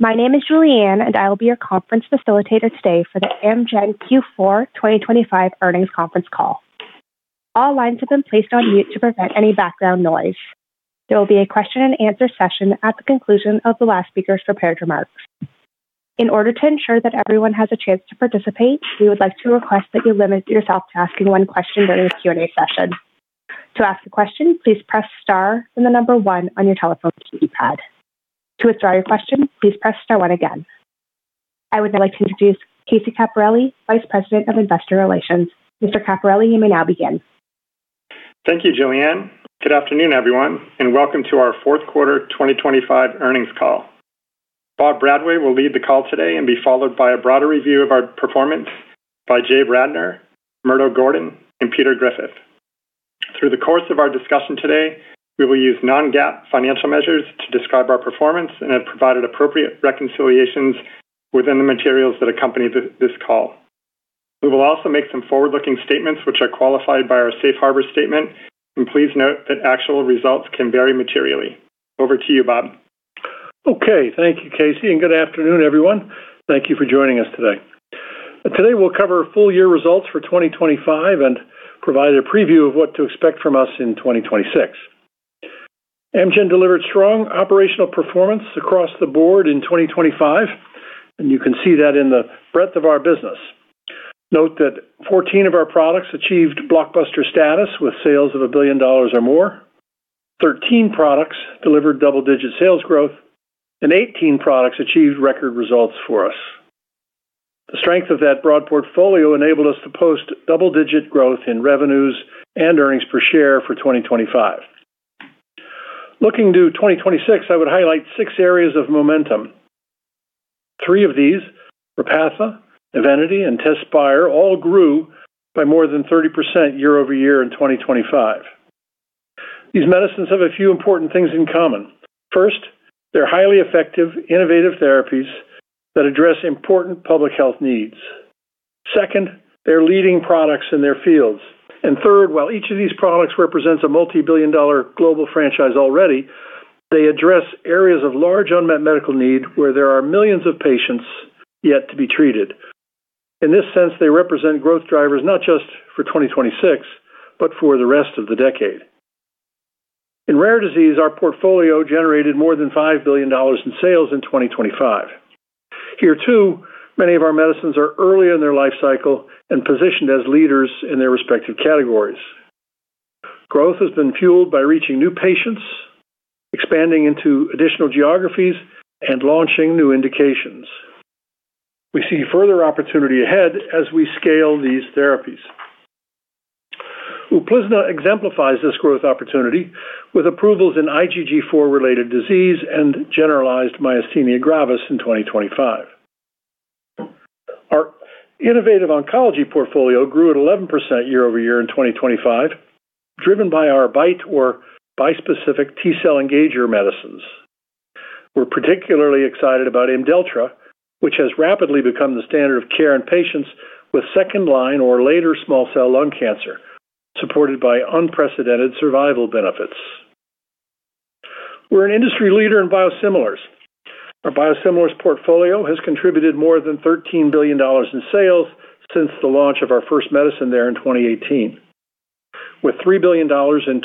My name is Julianne, and I will be your conference facilitator today for the Amgen Q4 2025 earnings conference call. All lines have been placed on mute to prevent any background noise. There will be a question-and-answer session at the conclusion of the last speaker's prepared remarks. In order to ensure that everyone has a chance to participate, we would like to request that you limit yourself to asking one question during the Q&A session. To ask a question, please press star, then the number one on your telephone keypad. To withdraw your question, please press star one again. I would now like to introduce Casey Capparelli, Vice President of Investor Relations. Mr. Capparelli, you may now begin. Thank you, Julianne. Good afternoon, everyone, and welcome to our fourth quarter 2025 earnings call. Bob Bradway will lead the call today and be followed by a broader review of our performance by Jay Bradner, Murdo Gordon, and Peter Griffith. Through the course of our discussion today, we will use non-GAAP financial measures to describe our performance and have provided appropriate reconciliations within the materials that accompany this call. We will also make some forward-looking statements, which are qualified by our safe harbor statement, and please note that actual results can vary materially. Over to you, Bob. Okay. Thank you, Casey, and good afternoon, everyone. Thank you for joining us today. Today, we'll cover full-year results for 2025 and provide a preview of what to expect from us in 2026. Amgen delivered strong operational performance across the board in 2025, and you can see that in the breadth of our business. Note that 14 of our products achieved blockbuster status, with sales of $1 billion or more, 13 products delivered double-digit sales growth, and 18 products achieved record results for us. The strength of that broad portfolio enabled us to post double-digit growth in revenues and earnings per share for 2025. Looking to 2026, I would highlight six areas of momentum. Three of these, Repatha, Evenity, and Tezspire, all grew by more than 30% year-over-year in 2025. These medicines have a few important things in common. First, they're highly effective, innovative therapies that address important public health needs. Second, they're leading products in their fields. And third, while each of these products represents a multi-billion dollar global franchise already, they address areas of large unmet medical need where there are millions of patients yet to be treated. In this sense, they represent growth drivers, not just for 2026, but for the rest of the decade. In rare disease, our portfolio generated more than $5 billion in sales in 2025. Here, too, many of our medicines are early in their life cycle and positioned as leaders in their respective categories. Growth has been fueled by reaching new patients, expanding into additional geographies, and launching new indications. We see further opportunity ahead as we scale these therapies. Uplizna exemplifies this growth opportunity with approvals in IgG4-related disease and generalized myasthenia gravis in 2025. Our innovative oncology portfolio grew at 11% year-over-year in 2025, driven by our bi or bispecific T-cell engager medicines. We're particularly excited about Imdelltra, which has rapidly become the standard of care in patients with second-line or later small cell lung cancer, supported by unprecedented survival benefits. We're an industry leader in biosimilars. Our biosimilars portfolio has contributed more than $13 billion in sales since the launch of our first medicine there in 2018. With $3 billion in 2025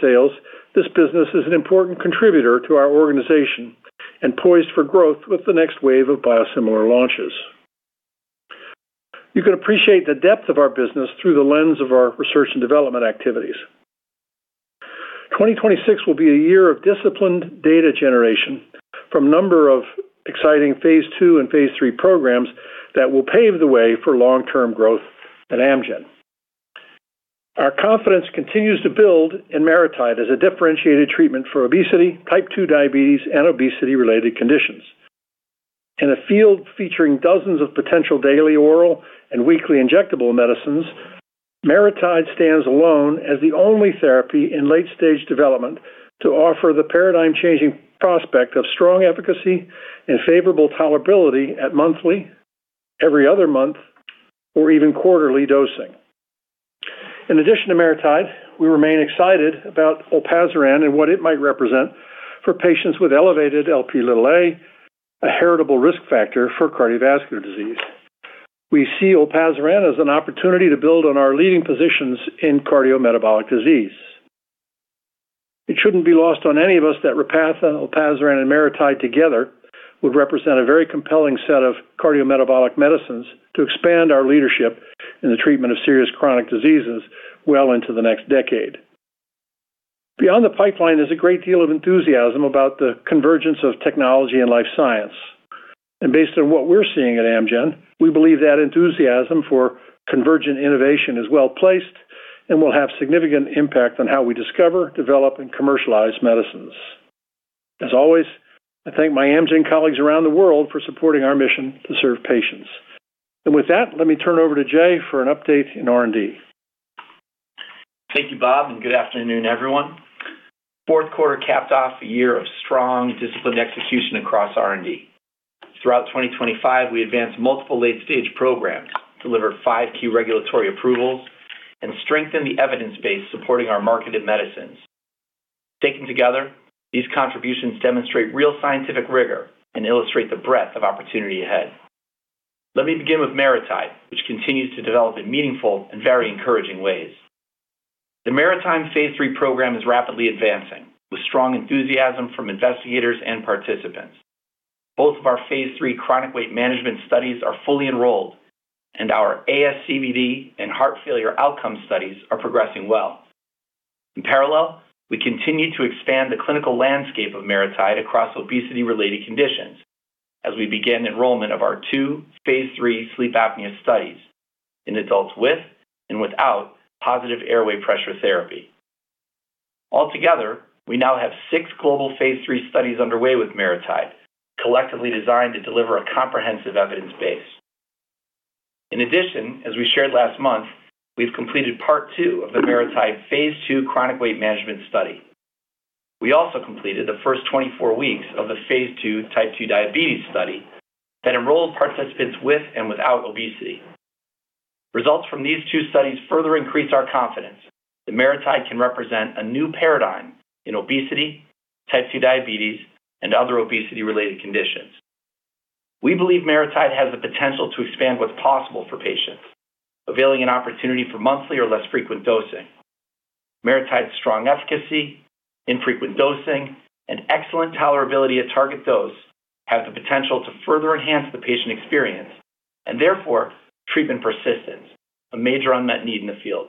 sales, this business is an important contributor to our organization and poised for growth with the next wave of biosimilar launches. You can appreciate the depth of our business through the lens of our research and development activities. 2026 will be a year of disciplined data generation from a number of exciting phase II and phase III programs that will pave the way for long-term growth at Amgen. Our confidence continues to build in MariTide as a differentiated treatment for obesity, type two diabetes, and obesity-related conditions. In a field featuring dozens of potential daily, oral, and weekly injectable medicines, MariTide stands alone as the only therapy in late-stage development to offer the paradigm-changing prospect of strong efficacy and favorable tolerability at monthly, every other month, or even quarterly dosing. In addition to MariTide, we remain excited about Olpasiran and what it might represent for patients with elevated Lp(a), a heritable risk factor for cardiovascular disease. We see Olpasiran as an opportunity to build on our leading positions in cardiometabolic disease. It shouldn't be lost on any of us that Repatha, Olpasiran, and MariTide together would represent a very compelling set of cardiometabolic medicines to expand our leadership in the treatment of serious chronic diseases well into the next decade. Beyond the pipeline, there's a great deal of enthusiasm about the convergence of technology and life science, and based on what we're seeing at Amgen, we believe that enthusiasm for convergent innovation is well-placed and will have significant impact on how we discover, develop, and commercialize medicines. As always, I thank my Amgen colleagues around the world for supporting our mission to serve patients. With that, let me turn it over to Jay for an update in R&D. Thank you, Bob, and good afternoon, everyone. Fourth quarter capped off a year of strong, disciplined execution across R&D.... Throughout 2025, we advanced multiple late-stage programs, delivered five-key regulatory approvals, and strengthened the evidence base supporting our marketed medicines. Taken together, these contributions demonstrate real scientific rigor and illustrate the breadth of opportunity ahead. Let me begin with MariTide, which continues to develop in meaningful and very encouraging ways. The MariTide phase III program is rapidly advancing, with strong enthusiasm from investigators and participants. Both of our phase III chronic weight management studies are fully enrolled, and our ASCVD and heart failure outcome studies are progressing well. In parallel, we continue to expand the clinical landscape of MariTide across obesity-related conditions as we begin enrollment of our two phase III sleep apnea studies in adults with and without positive airway pressure therapy. Altogether, we now have six global phase III studies underway with MariTide, collectively designed to deliver a comprehensive evidence base. In addition, as we shared last month, we've completed part two of the MariTide phase II chronic weight management study. We also completed the first 24 weeks of the phase II type II diabetes study that enrolled participants with and without obesity. Results from these two studies further increase our confidence that MariTide can represent a new paradigm in obesity, type II diabetes, and other obesity-related conditions. We believe MariTide has the potential to expand what's possible for patients, availing an opportunity for monthly or less frequent dosing. MariTide's strong efficacy, infrequent dosing, and excellent tolerability at target dose have the potential to further enhance the patient experience and therefore treatment persistence, a major unmet need in the field.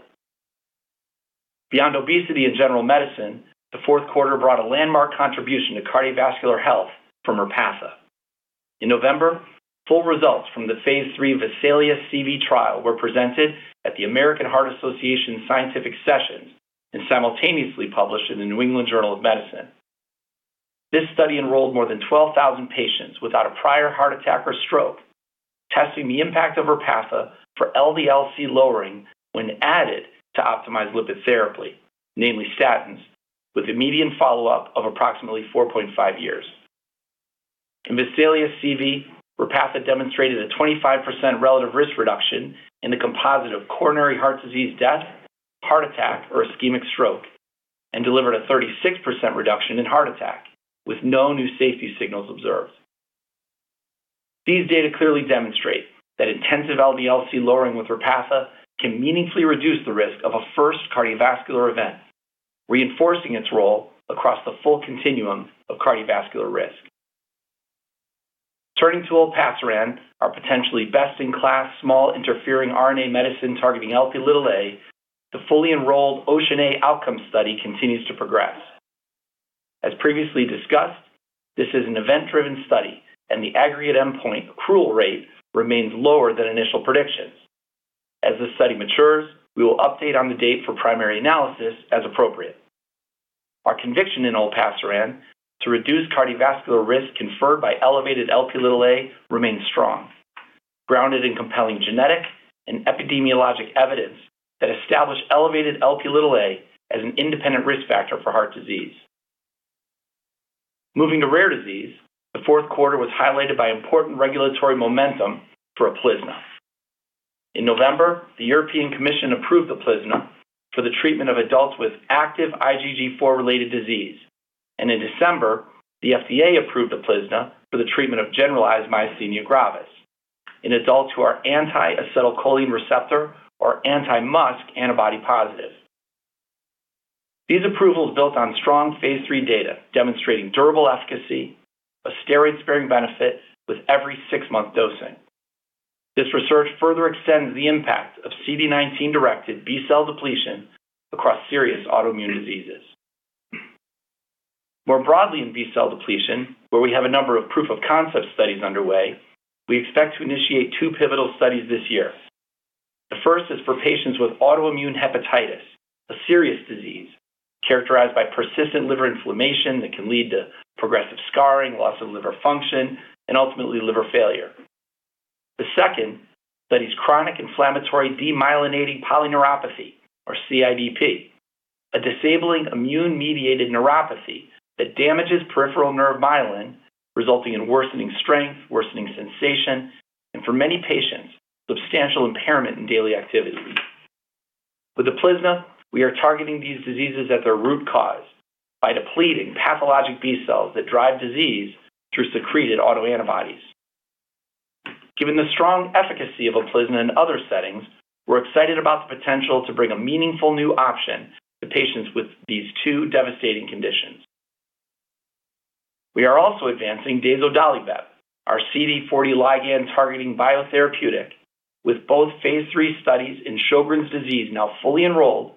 Beyond obesity and general medicine, the fourth quarter brought a landmark contribution to cardiovascular health from Repatha. In November, full results from the phase III VESALIUS-CV trial were presented at the American Heart Association Scientific Sessions and simultaneously published in The New England Journal of Medicine. This study enrolled more than 12,000 patients without a prior heart attack or stroke, testing the impact of Repatha for LDL-C lowering when added to optimized lipid therapy, namely statins, with a median follow-up of approximately 4.5 years. In VESALIUS-CV, Repatha demonstrated a 25% relative risk reduction in the composite of coronary heart disease, death, heart attack, or ischemic stroke, and delivered a 36% reduction in heart attack, with no new safety signals observed. These data clearly demonstrate that intensive LDL-C lowering with Repatha can meaningfully reduce the risk of a first cardiovascular event, reinforcing its role across the full continuum of cardiovascular risk. Turning to Olpasiran, our potentially best-in-class, small interfering RNA medicine targeting Lp(a), the fully enrolled OCEANA outcome study continues to progress. As previously discussed, this is an event-driven study, and the aggregate endpoint accrual rate remains lower than initial predictions. As this study matures, we will update on the date for primary analysis as appropriate. Our conviction in Olpasiran to reduce cardiovascular risk conferred by elevated Lp(a) remains strong, grounded in compelling genetic and epidemiologic evidence that establish elevated Lp(a) as an independent risk factor for heart disease. Moving to rare disease, the fourth quarter was highlighted by important regulatory momentum for Uplizna. In November, the European Commission approved Uplizna for the treatment of adults with active IgG4-related disease, and in December, the FDA approved Uplizna for the treatment of generalized myasthenia gravis in adults who are anti-acetylcholine receptor or anti-MuSK antibody positive. These approvals built on strong phase III data, demonstrating durable efficacy, a steroid-sparing benefit with every six-month dosing. This research further extends the impact of CD19-directed B-cell depletion across serious autoimmune diseases. More broadly, in B-cell depletion, where we have a number of proof-of-concept studies underway, we expect to initiate two pivotal studies this year. The first is for patients with autoimmune hepatitis, a serious disease characterized by persistent liver inflammation that can lead to progressive scarring, loss of liver function, and ultimately liver failure. The second studies chronic inflammatory demyelinating polyneuropathy, or CIDP, a disabling immune-mediated neuropathy that damages peripheral nerve myelin, resulting in worsening strength, worsening sensation, and for many patients, substantial impairment in daily activities. With Uplizna, we are targeting these diseases at their root cause by depleting pathologic B cells that drive disease through secreted autoantibodies. Given the strong efficacy of Uplizna in other settings, we're excited about the potential to bring a meaningful new option to patients with these two devastating conditions. We are also advancing Dazodalibep, our CD40 ligand-targeting biotherapeutic, with both phase III studies in Sjögren's disease now fully enrolled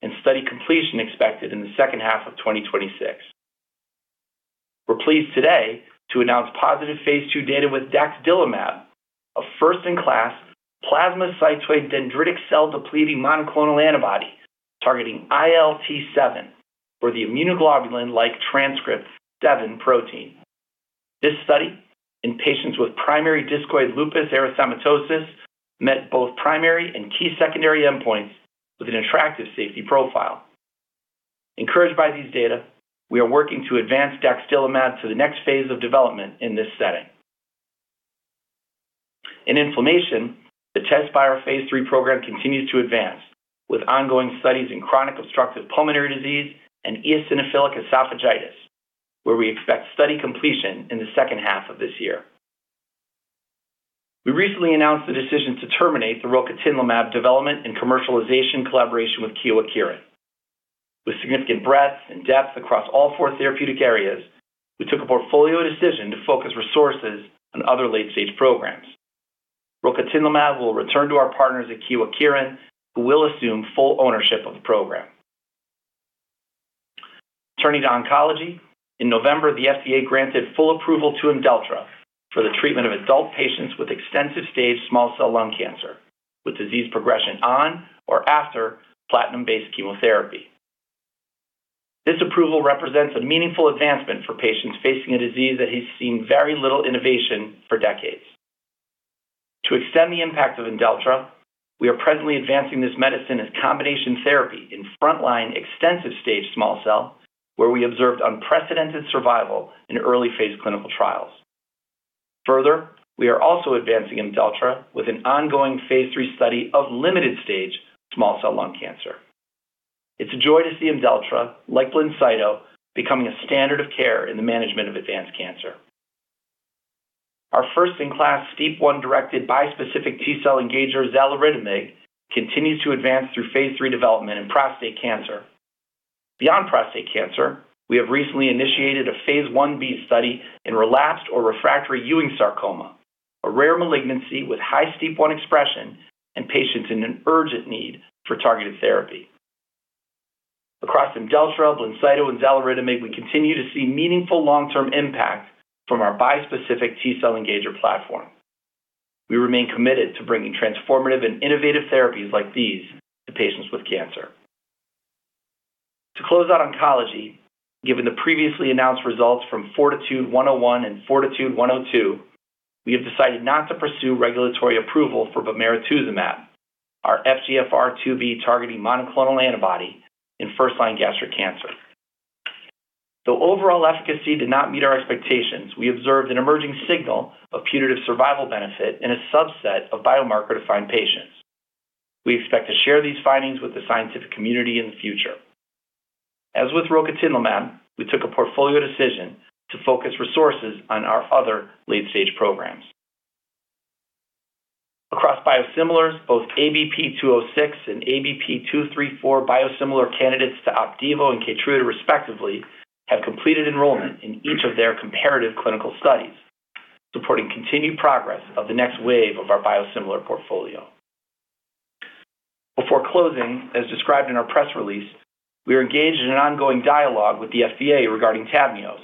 and study completion expected in the second half of 2026. We're pleased today to announce positive phase II data with Daxdilimab, a first-in-class plasmacytoid dendritic cell-depleting monoclonal antibody targeting ILT-7, or the immunoglobulin-like transcript seven protein. This study in patients with primary discoid lupus erythematosus met both primary and key secondary endpoints with an attractive safety profile. Encouraged by these data, we are working to advance Daxdilimab to the next phase of development in this setting. In inflammation, the Tezspire Phase III program continues to advance, with ongoing studies in chronic obstructive pulmonary disease and eosinophilic esophagitis, where we expect study completion in the second half of this year. We recently announced the decision to terminate the Rocatinlimab development and commercialization collaboration with Kyowa Kirin. With significant breadth and depth across all four therapeutic areas, we took a portfolio decision to focus resources on other late-stage programs. Rocatinlimab will return to our partners at Kyowa Kirin, who will assume full ownership of the program. Turning to oncology, in November, the FDA granted full approval to Imdelltra for the treatment of adult patients with extensive-stage small cell lung cancer, with disease progression on or after platinum-based chemotherapy. This approval represents a meaningful advancement for patients facing a disease that has seen very little innovation for decades. To extend the impact of Imdelltra, we are presently advancing this medicine as combination therapy in frontline extensive-stage small cell, where we observed unprecedented survival in early phase clinical trials. Further, we are also advancing Imdelltra with an ongoing phase III study of limited-stage small cell lung cancer. It's a joy to see Imdelltra, like Blincyto, becoming a standard of care in the management of advanced cancer. Our first-in-class STEAP1-directed bispecific T-cell engager, Xaluritamig, continues to advance through phase III development in prostate cancer. Beyond prostate cancer, we have recently initiated a phase I-B study in relapsed or refractory Ewing sarcoma, a rare malignancy with high STEAP1 expression in patients in an urgent need for targeted therapy. Across Imdelltra, Blincyto, and Xaluritamig, we continue to see meaningful long-term impact from our bispecific T-cell engager platform. We remain committed to bringing transformative and innovative therapies like these to patients with cancer. To close out oncology, given the previously announced results from FORTITUDE-101 and FORTITUDE-102, we have decided not to pursue regulatory approval for Bemarituzumab, our FGFR2B-targeting monoclonal antibody in first-line gastric cancer. Though overall efficacy did not meet our expectations, we observed an emerging signal of putative survival benefit in a subset of biomarker-defined patients. We expect to share these findings with the scientific community in the future. As with rocatinlimab, we took a portfolio decision to focus resources on our other late-stage programs. Across biosimilars, both ABP 206 and ABP 234 biosimilar candidates to Opdivo and Keytruda, respectively, have completed enrollment in each of their comparative clinical studies, supporting continued progress of the next wave of our biosimilar portfolio. Before closing, as described in our press release, we are engaged in an ongoing dialogue with the FDA regarding Tavneos,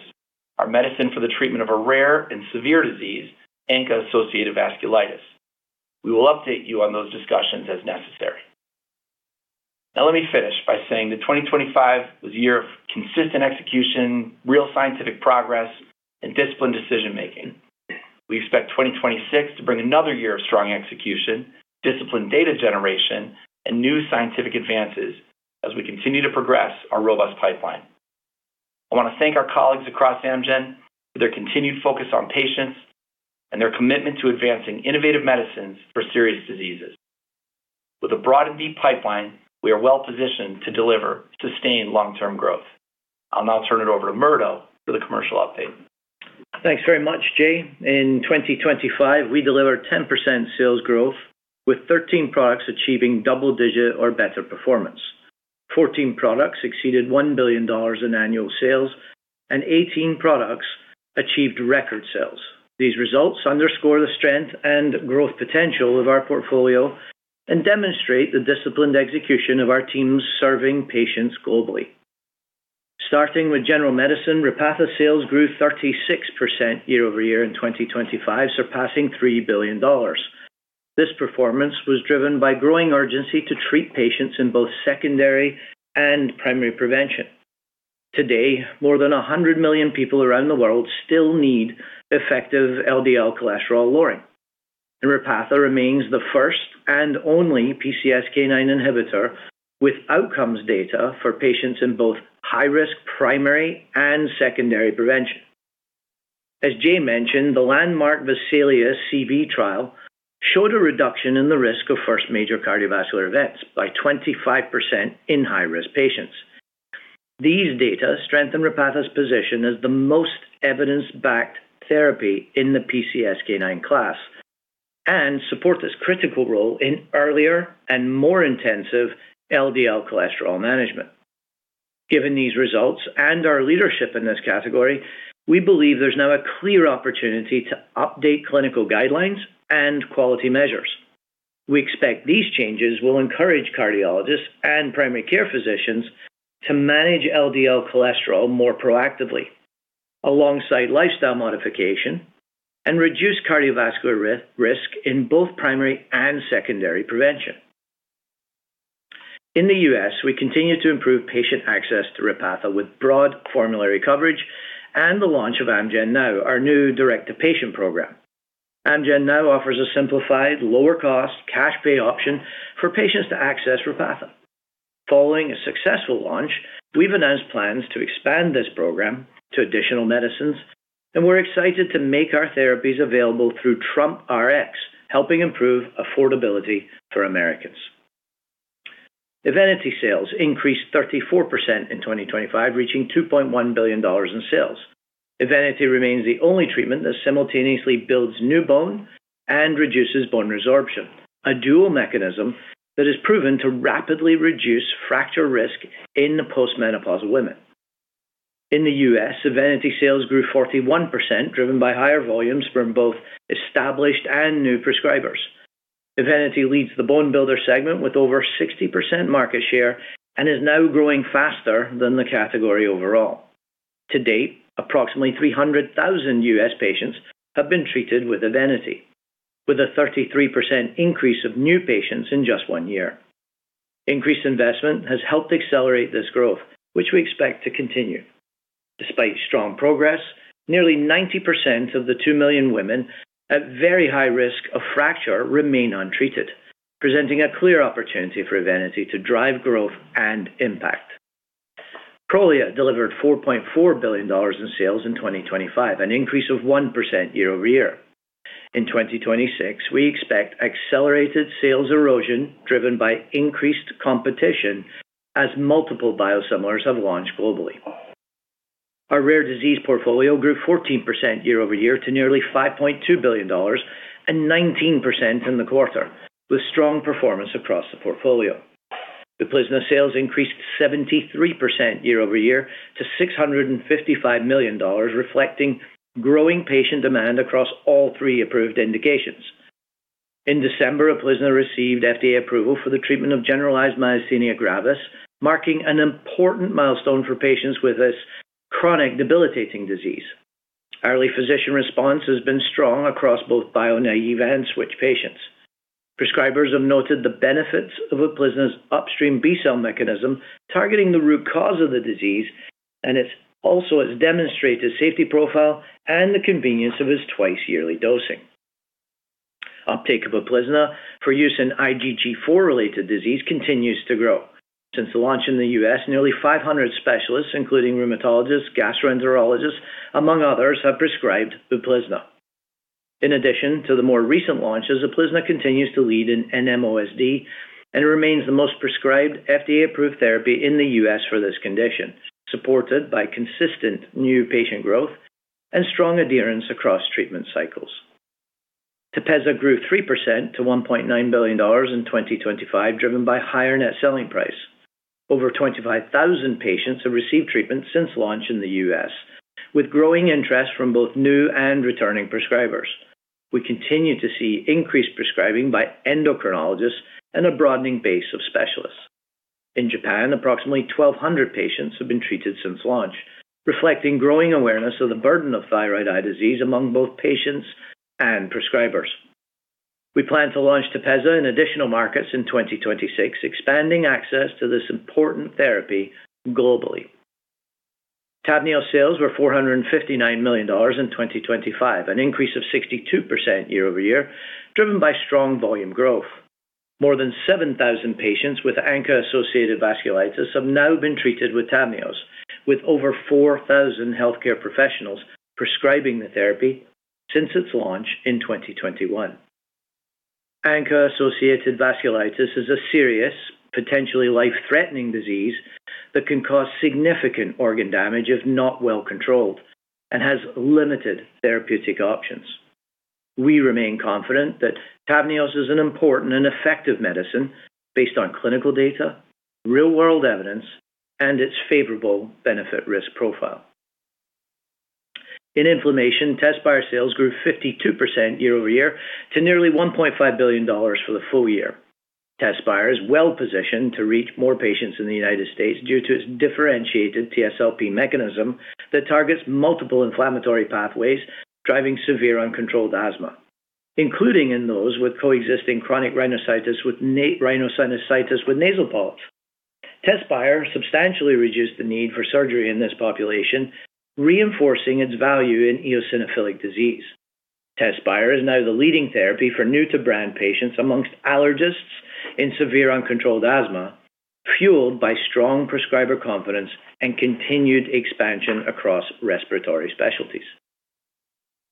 our medicine for the treatment of a rare and severe disease, ANCA-associated vasculitis. We will update you on those discussions as necessary. Now, let me finish by saying that 2025 was a year of consistent execution, real scientific progress, and disciplined decision-making. We expect 2026 to bring another year of strong execution, disciplined data generation, and new scientific advances as we continue to progress our robust pipeline. I want to thank our colleagues across Amgen for their continued focus on patients and their commitment to advancing innovative medicines for serious diseases. With a broad and deep pipeline, we are well positioned to deliver sustained long-term growth. I'll now turn it over to Murdo for the commercial update. Thanks very much, Jay. In 2025, we delivered 10% sales growth, with 13 products achieving double-digit or better performance. 14 products exceeded $1 billion in annual sales, and 18 products achieved record sales. These results underscore the strength and growth potential of our portfolio and demonstrate the disciplined execution of our teams serving patients globally. Starting with general medicine, Repatha sales grew 36% year-over-year in 2025, surpassing $3 billion. This performance was driven by growing urgency to treat patients in both secondary and primary prevention. Today, more than 100 million people around the world still need effective LDL cholesterol lowering, and Repatha remains the first and only PCSK9 inhibitor with outcomes data for patients in both high-risk primary and secondary prevention. As Jay mentioned, the landmark VESALIUS-CV trial showed a reduction in the risk of first major cardiovascular events by 25% in high-risk patients. These data strengthen Repatha's position as the most evidence-backed therapy in the PCSK9 class and support this critical role in earlier and more intensive LDL cholesterol management. Given these results and our leadership in this category, we believe there's now a clear opportunity to update clinical guidelines and quality measures. We expect these changes will encourage cardiologists and primary care physicians to manage LDL cholesterol more proactively, alongside lifestyle modification, and reduce cardiovascular risk in both primary and secondary prevention. In the U.S., we continue to improve patient access to Repatha with broad formulary coverage and the launch of Amgen Now, our new direct-to-patient program. Amgen Now offers a simplified, lower-cost cash pay option for patients to access Repatha. Following a successful launch, we've announced plans to expand this program to additional medicines, and we're excited to make our therapies available through TrueRx, helping improve affordability for Americans. Evenity sales increased 34% in 2025, reaching $2.1 billion in sales. Evenity remains the only treatment that simultaneously builds new bone and reduces bone resorption, a dual mechanism that is proven to rapidly reduce fracture risk in the post-menopausal women. In the U.S., Evenity sales grew 41%, driven by higher volumes from both established and new prescribers. Evenity leads the bone builder segment with over 60% market share and is now growing faster than the category overall. To date, approximately 300,000 U.S. patients have been treated with Evenity, with a 33% increase of new patients in just one year. Increased investment has helped accelerate this growth, which we expect to continue. Despite strong progress, nearly 90% of the two million women at very high risk of fracture remain untreated, presenting a clear opportunity for Evenity to drive growth and impact. Prolia delivered $4.4 billion in sales in 2025, an increase of 1% year-over-year. In 2026, we expect accelerated sales erosion driven by increased competition as multiple biosimilars have launched globally. Our rare disease portfolio grew 14% year-over-year to nearly $5.2 billion and 19% in the quarter, with strong performance across the portfolio. Uplizna sales increased 73% year-over-year to $655 million, reflecting growing patient demand across all three approved indications. In December, Uplizna received FDA approval for the treatment of generalized myasthenia gravis, marking an important milestone for patients with this chronic, debilitating disease. Early physician response has been strong across both bio-naive and switch patients. Prescribers have noted the benefits of Uplizna's upstream B-cell mechanism, targeting the root cause of the disease, and it also has demonstrated safety profile and the convenience of its twice-yearly dosing. Uptake of Uplizna for use in IgG4-related disease continues to grow. Since the launch in the U.S., nearly 500 specialists, including rheumatologists, gastroenterologists, among others, have prescribed Uplizna. In addition to the more recent launches, Uplizna continues to lead in NMOSD and remains the most prescribed FDA-approved therapy in the U.S. for this condition, supported by consistent new patient growth and strong adherence across treatment cycles. Tepezza grew 3% to $1.9 billion in 2025, driven by higher net selling price. Over 25,000 patients have received treatment since launch in the U.S., with growing interest from both new and returning prescribers. We continue to see increased prescribing by endocrinologists and a broadening base of specialists. In Japan, approximately 1,200 patients have been treated since launch, reflecting growing awareness of the burden of thyroid eye disease among both patients and prescribers. We plan to launch Tepezza in additional markets in 2026, expanding access to this important therapy globally. Tavneos sales were $459 million in 2025, an increase of 62% year-over-year, driven by strong volume growth. More than 7,000 patients with ANCA-associated vasculitis have now been treated with Tavneos, with over 4,000 healthcare professionals prescribing the therapy since its launch in 2021. ANCA-associated vasculitis is a serious, potentially life-threatening disease that can cause significant organ damage, if not well controlled, and has limited therapeutic options. We remain confident that Tavneos is an important and effective medicine based on clinical data, real-world evidence, and its favorable benefit-risk profile. In inflammation, Tezspire sales grew 52% year-over-year to nearly $1.5 billion for the full year. Tezspire is well-positioned to reach more patients in the United States due to its differentiated TSLP mechanism that targets multiple inflammatory pathways, driving severe uncontrolled asthma, including in those with coexisting chronic rhinosinusitis with nasal polyps. Tezspire substantially reduced the need for surgery in this population, reinforcing its value in eosinophilic disease. Tezspire is now the leading therapy for new-to-brand patients amongst allergists in severe uncontrolled asthma, fueled by strong prescriber confidence and continued expansion across respiratory specialties.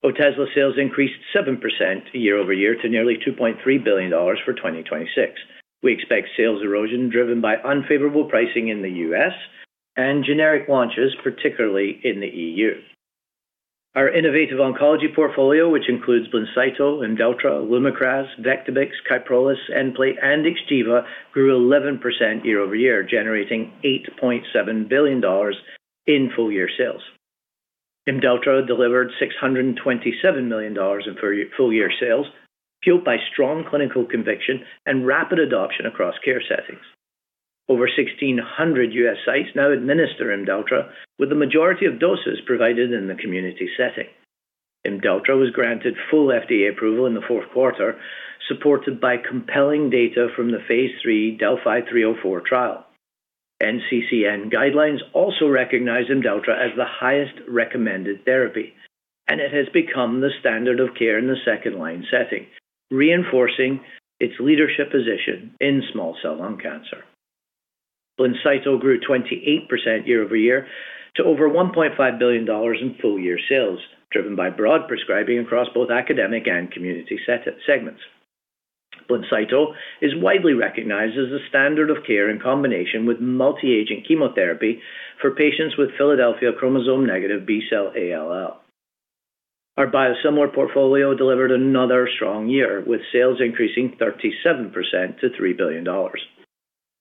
Otezla sales increased 7% year over year to nearly $2.3 billion for 2026. We expect sales erosion driven by unfavorable pricing in the U.S. and generic launches, particularly in the EU. Our innovative oncology portfolio, which includes Blincyto, Imdelltra, Lumakras, Vectibix, Kyprolis, Nplate, and Xgeva, grew 11% year over year, generating $8.7 billion in full-year sales. Imdelltra delivered $627 million in full-year sales, fueled by strong clinical conviction and rapid adoption across care settings. Over 1,600 U.S. sites now administer Imdelltra, with the majority of doses provided in the community setting. Imdelltra was granted full FDA approval in the fourth quarter, supported by compelling data from the phase III DeLLphi-304 trial... NCCN guidelines also recognize Imdelltra as the highest recommended therapy, and it has become the standard of care in the second-line setting, reinforcing its leadership position in small cell lung cancer. Blincyto grew 28% year-over-year to over $1.5 billion in full year sales, driven by broad prescribing across both academic and community settings. Blincyto is widely recognized as the standard of care in combination with multi-agent chemotherapy for patients with Philadelphia chromosome-negative B-cell ALL. Our biosimilar portfolio delivered another strong year, with sales increasing 37% to $3 billion.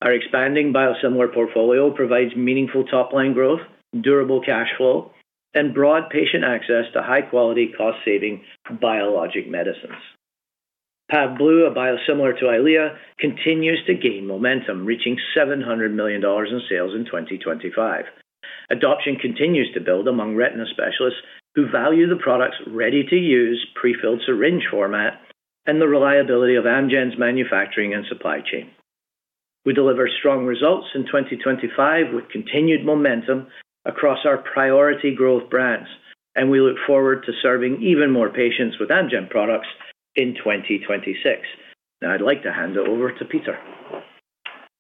Our expanding biosimilar portfolio provides meaningful top-line growth, durable cash flow, and broad patient access to high-quality, cost-saving biologic medicines. Pavblu, a biosimilar to Eylea, continues to gain momentum, reaching $700 million in sales in 2025. Adoption continues to build among retina specialists who value the product's ready-to-use, prefilled syringe format and the reliability of Amgen's manufacturing and supply chain. We deliver strong results in 2025, with continued momentum across our priority growth brands, and we look forward to serving even more patients with Amgen products in 2026. Now, I'd like to hand it over to Peter.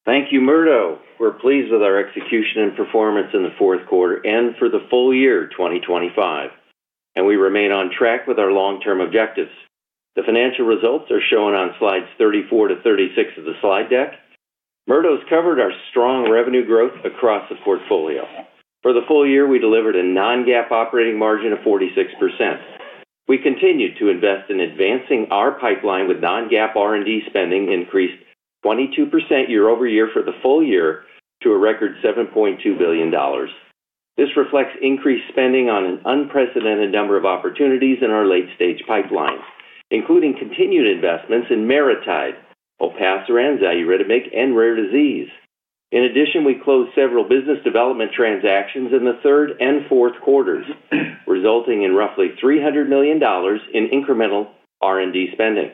Thank you, Murdo. We're pleased with our execution and performance in the fourth quarter and for the full year 2025, and we remain on track with our long-term objectives. The financial results are shown on Slides 34 to 36 of the slide deck. Murdo's covered our strong revenue growth across the portfolio. For the full year, we delivered a Non-GAAP operating margin of 46%. We continued to invest in advancing our pipeline with non-GAAP R&D spending increased 22% year-over-year for the full year to a record $7.2 billion. This reflects increased spending on an unprecedented number of opportunities in our late-stage pipeline, including continued investments in MariTide, Olpasiran, Xaluritamig, and rare disease. In addition, we closed several business development transactions in the third and fourth quarters, resulting in roughly $300 million in incremental R&D spending.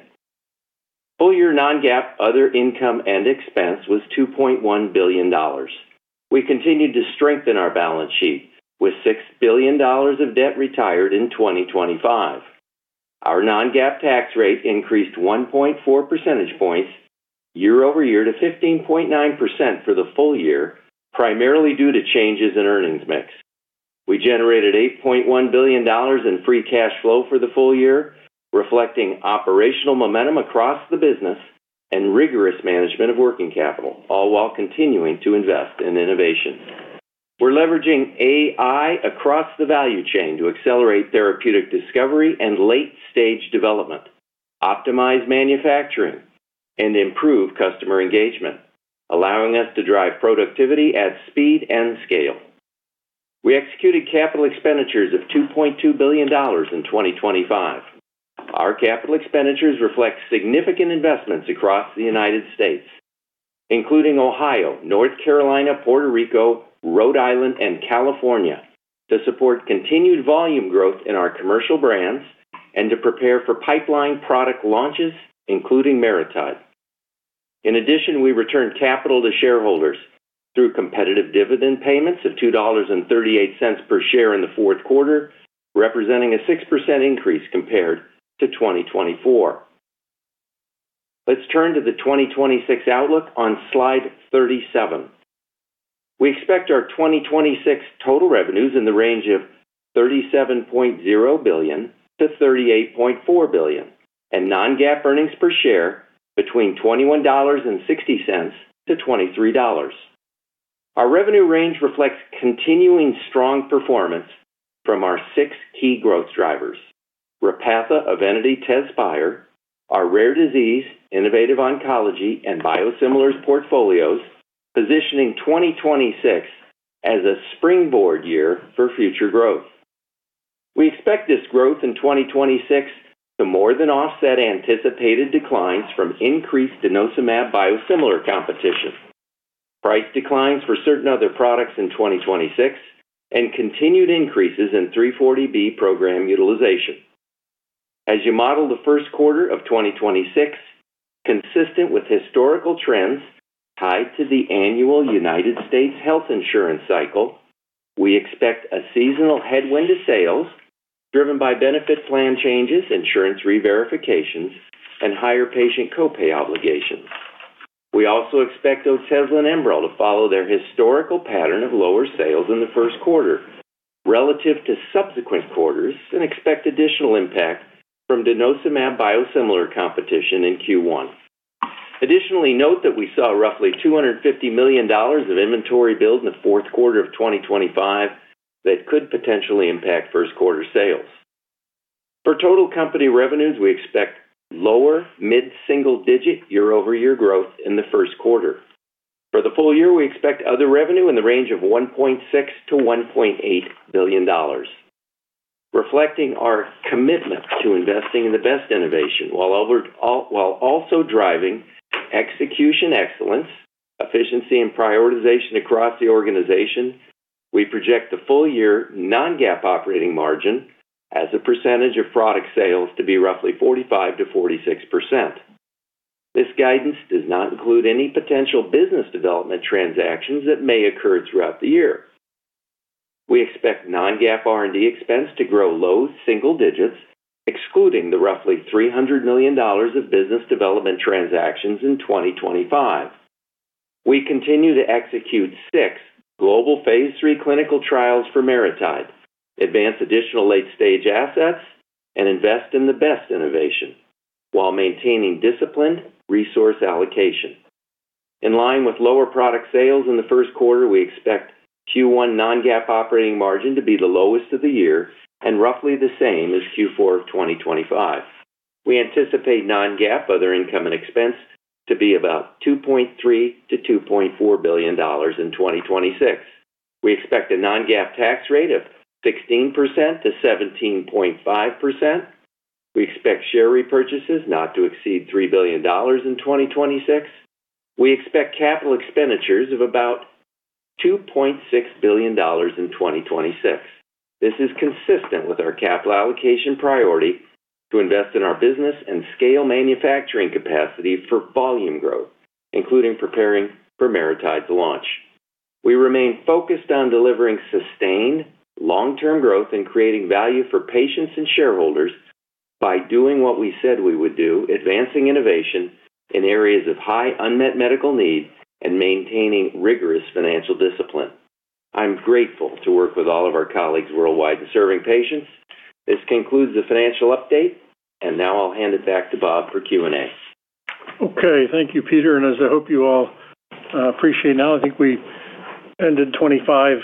Full-year non-GAAP other income and expense was $2.1 billion. We continued to strengthen our balance sheet with $6 billion of debt retired in 2025. Our non-GAAP tax rate increased 1.4 percentage points year-over-year to 15.9% for the full year, primarily due to changes in earnings mix. We generated $8.1 billion in free cash flow for the full year, reflecting operational momentum across the business and rigorous management of working capital, all while continuing to invest in innovation. We're leveraging AI across the value chain to accelerate therapeutic discovery and late-stage development, optimize manufacturing, and improve customer engagement, allowing us to drive productivity at speed and scale. We executed capital expenditures of $2.2 billion in 2025. Our capital expenditures reflect significant investments across the United States, including Ohio, North Carolina, Puerto Rico, Rhode Island, and California, to support continued volume growth in our commercial brands and to prepare for pipeline product launches, including MariTide. In addition, we returned capital to shareholders through competitive dividend payments of $2.38 per share in the fourth quarter, representing a 6% increase compared to 2024. Let's turn to the 2026 outlook on Slide 37. We expect our 2026 total revenues in the range of $37.0 billion-$38.4 billion and non-GAAP earnings per share between $21.60 and $23. Our revenue range reflects continuing strong performance from our 6 key growth drivers: Repatha, Evenity, Tezspire, our rare disease, innovative oncology, and biosimilars portfolios, positioning 2026 as a springboard year for future growth. We expect this growth in 2026 to more than offset anticipated declines from increased denosumab biosimilar competition, price declines for certain other products in 2026, and continued increases in 340B program utilization. As you model the first quarter of 2026, consistent with historical trends tied to the annual United States health insurance cycle, we expect a seasonal headwind to sales driven by benefit plan changes, insurance reverifications, and higher patient copay obligations. We also expect Otezla and Enbrel to follow their historical pattern of lower sales in the first quarter relative to subsequent quarters, and expect additional impact from denosumab biosimilar competition in Q1. Additionally, note that we saw roughly $250 million of inventory build in the fourth quarter of 2025 that could potentially impact first quarter sales. For total company revenues, we expect lower mid-single-digit year-over-year growth in the first quarter. For the full year, we expect other revenue in the range of $1.6 billion-$1.8 billion, reflecting our commitment to investing in the best innovation, while also driving execution excellence, efficiency, and prioritization across the organization. We project the full-year non-GAAP operating margin as a percentage of product sales to be roughly 45% to 46%. This guidance does not include any potential business development transactions that may occur throughout the year. We expect non-GAAP R&D expense to grow low single digits, excluding the roughly $300 million of business development transactions in 2025. We continue to execute six global phase III clinical trials for MariTide, advance additional late-stage assets, and invest in the best innovation while maintaining disciplined resource allocation. In line with lower product sales in the first quarter, we expect Q1 non-GAAP operating margin to be the lowest of the year and roughly the same as Q4 of 2025. We anticipate non-GAAP other income and expense to be about $2.3 billion to $2.4 billion in 2026. We expect a non-GAAP tax rate of 16% to 17.5%. We expect share repurchases not to exceed $3 billion in 2026. We expect capital expenditures of about $2.6 billion in 2026. This is consistent with our capital allocation priority to invest in our business and scale manufacturing capacity for volume growth, including preparing for MariTide launch. We remain focused on delivering sustained long-term growth and creating value for patients and shareholders by doing what we said we would do, advancing innovation in areas of high unmet medical need and maintaining rigorous financial discipline. I'm grateful to work with all of our colleagues worldwide in serving patients. This concludes the financial update, and now I'll hand it back to Bob for Q&A. Okay, thank you, Peter, and as I hope you all appreciate now, I think we ended 25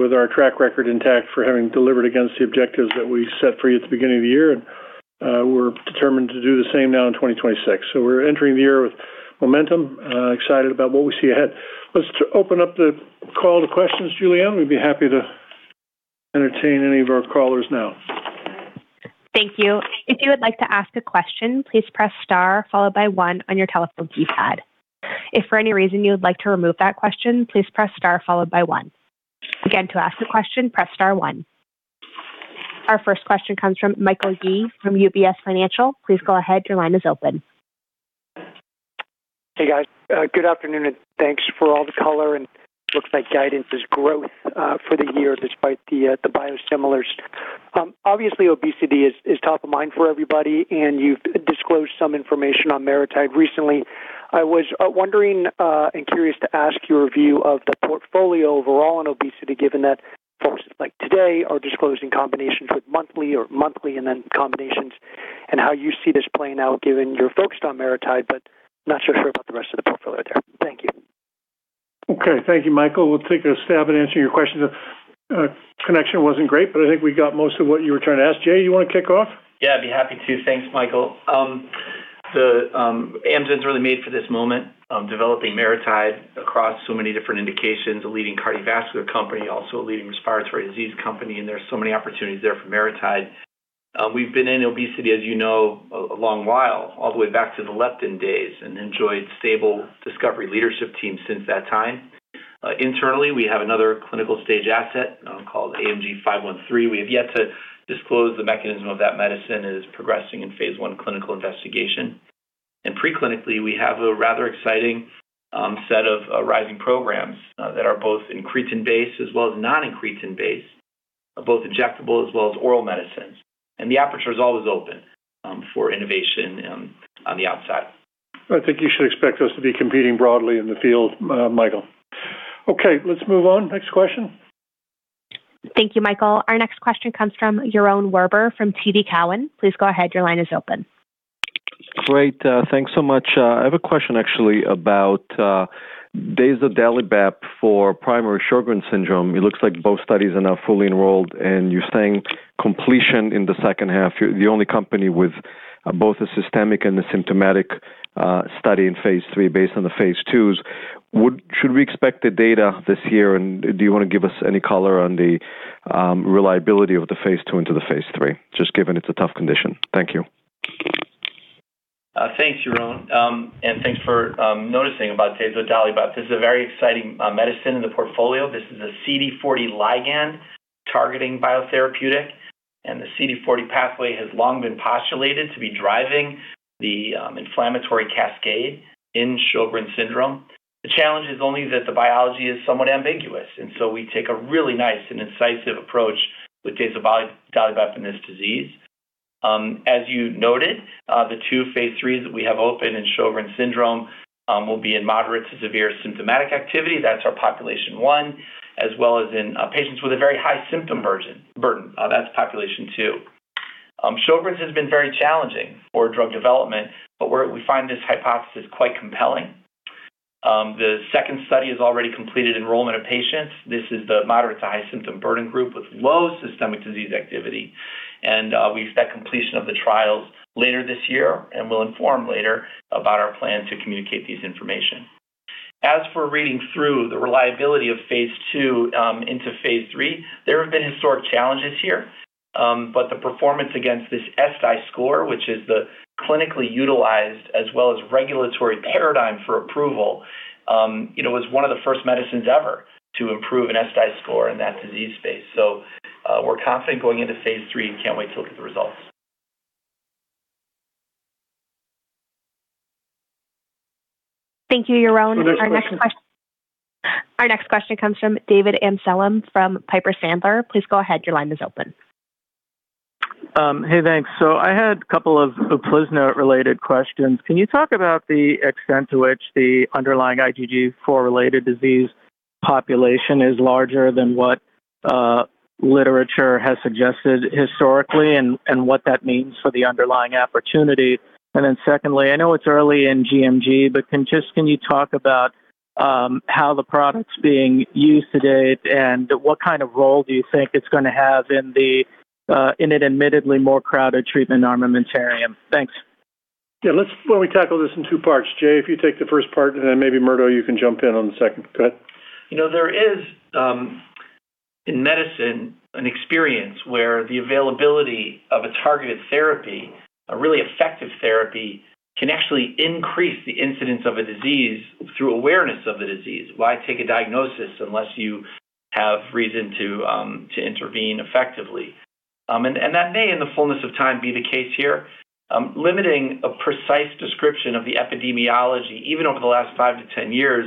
with our track record intact for having delivered against the objectives that we set for you at the beginning of the year, and we're determined to do the same now in 2026. So we're entering the year with momentum, excited about what we see ahead. Let's open up the call to questions, Julianne. We'd be happy to entertain any of our callers now. Thank you. If you would like to ask a question, please press star, followed by one on your telephone keypad. If for any reason you would like to remove that question, please press star followed by one. Again, to ask a question, press star one. Our first question comes from Michael Yee from UBS Financial. Please go ahead. Your line is open. Hey, guys. Good afternoon, and thanks for all the color, and looks like guidance is growth for the year, despite the biosimilars. Obviously, obesity is top of mind for everybody, and you've disclosed some information on MariTide recently. I was wondering and curious to ask your view of the portfolio overall in obesity, given that folks like today are disclosing combinations with monthly or monthly and then combinations, and how you see this playing out, given you're focused on MariTide, but not so sure about the rest of the portfolio there. Thank you. Okay. Thank you, Michael. We'll take a stab at answering your question. Connection wasn't great, but I think we got most of what you were trying to ask. Jay, you want to kick off? Yeah, I'd be happy to. Thanks, Michael. Amgen's really made for this moment, developing MariTide across so many different indications, a leading cardiovascular company, also a leading respiratory disease company, and there are so many opportunities there for MariTide. We've been in obesity, as you know, a long while, all the way back to the leptin days, and enjoyed stable discovery leadership team since that time. Internally, we have another clinical stage asset, called AMG 513. We have yet to disclose the mechanism of that medicine. It is progressing in phase I clinical investigation. Pre-clinically, we have a rather exciting set of nascent programs that are both incretin-based as well as non-incretin-based, both injectable as well as oral medicines, and the aperture is always open for innovation on the outside. I think you should expect us to be competing broadly in the field, Michael. Okay, let's move on. Next question. Thank you, Michael. Our next question comes from Yaron Werber, from TD Cowen. Please go ahead. Your line is open. Great. Thanks so much. I have a question actually about dazodalibep for primary Sjögren's syndrome. It looks like both studies are now fully enrolled, and you're saying completion in the second half. You're the only company with both a systemic and a symptomatic study in phase III, based on the phase IIs. Should we expect the data this year, and do you want to give us any color on the reliability of the phase II into the phase III? Just given it's a tough condition. Thank you. Thanks, Yaron. And thanks for noticing about dazodalibep. This is a very exciting medicine in the portfolio. This is a CD40 ligand targeting biotherapeutic, and the CD40 pathway has long been postulated to be driving the inflammatory cascade in Sjögren's syndrome. The challenge is only that the biology is somewhat ambiguous, and so we take a really nice and incisive approach with dazodalibep in this disease. As you noted, the two phase IIIs that we have open in Sjögren's syndrome will be in moderate to severe symptomatic activity. That's our population one, as well as in patients with a very high symptom burden. That's population two. Sjögren's has been very challenging for drug development, but we find this hypothesis quite compelling. The second study has already completed enrollment of patients. This is the moderate to high symptom burden group with low systemic disease activity, and we expect completion of the trials later this year, and we'll inform later about our plan to communicate this information. As for reading through the reliability of phase II into phase III, there have been historic challenges here, but the performance against this SDI score, which is the clinically utilized as well as regulatory paradigm for approval, you know, was one of the first medicines ever to improve an SDI score in that disease space. So, we're confident going into phase III and can't wait to look at the results. Thank you, Yaron. Our next question comes from David Amsellem from Piper Sandler. Please go ahead. Your line is open. Hey, thanks. So I had a couple of Uplizna-related questions. Can you talk about the extent to which the underlying IgG4-related disease population is larger than what literature has suggested historically and what that means for the underlying opportunity? And then secondly, I know it's early in GMG, but can just—can you talk about how the product's being used to date, and what kind of role do you think it's gonna have in the in an admittedly more crowded treatment armamentarium? Thanks. Yeah, let's. Why don't we tackle this in two parts. Jay, if you take the first part, and then maybe, Murdo, you can jump in on the second. Go ahead. You know, there is, in medicine, an experience where the availability of a targeted therapy, a really effective therapy, can actually increase the incidence of a disease through awareness of the disease. Why take a diagnosis unless you have reason to, to intervene effectively? And that may, in the fullness of time, be the case here. Limiting a precise description of the epidemiology, even over the last five to 10 years,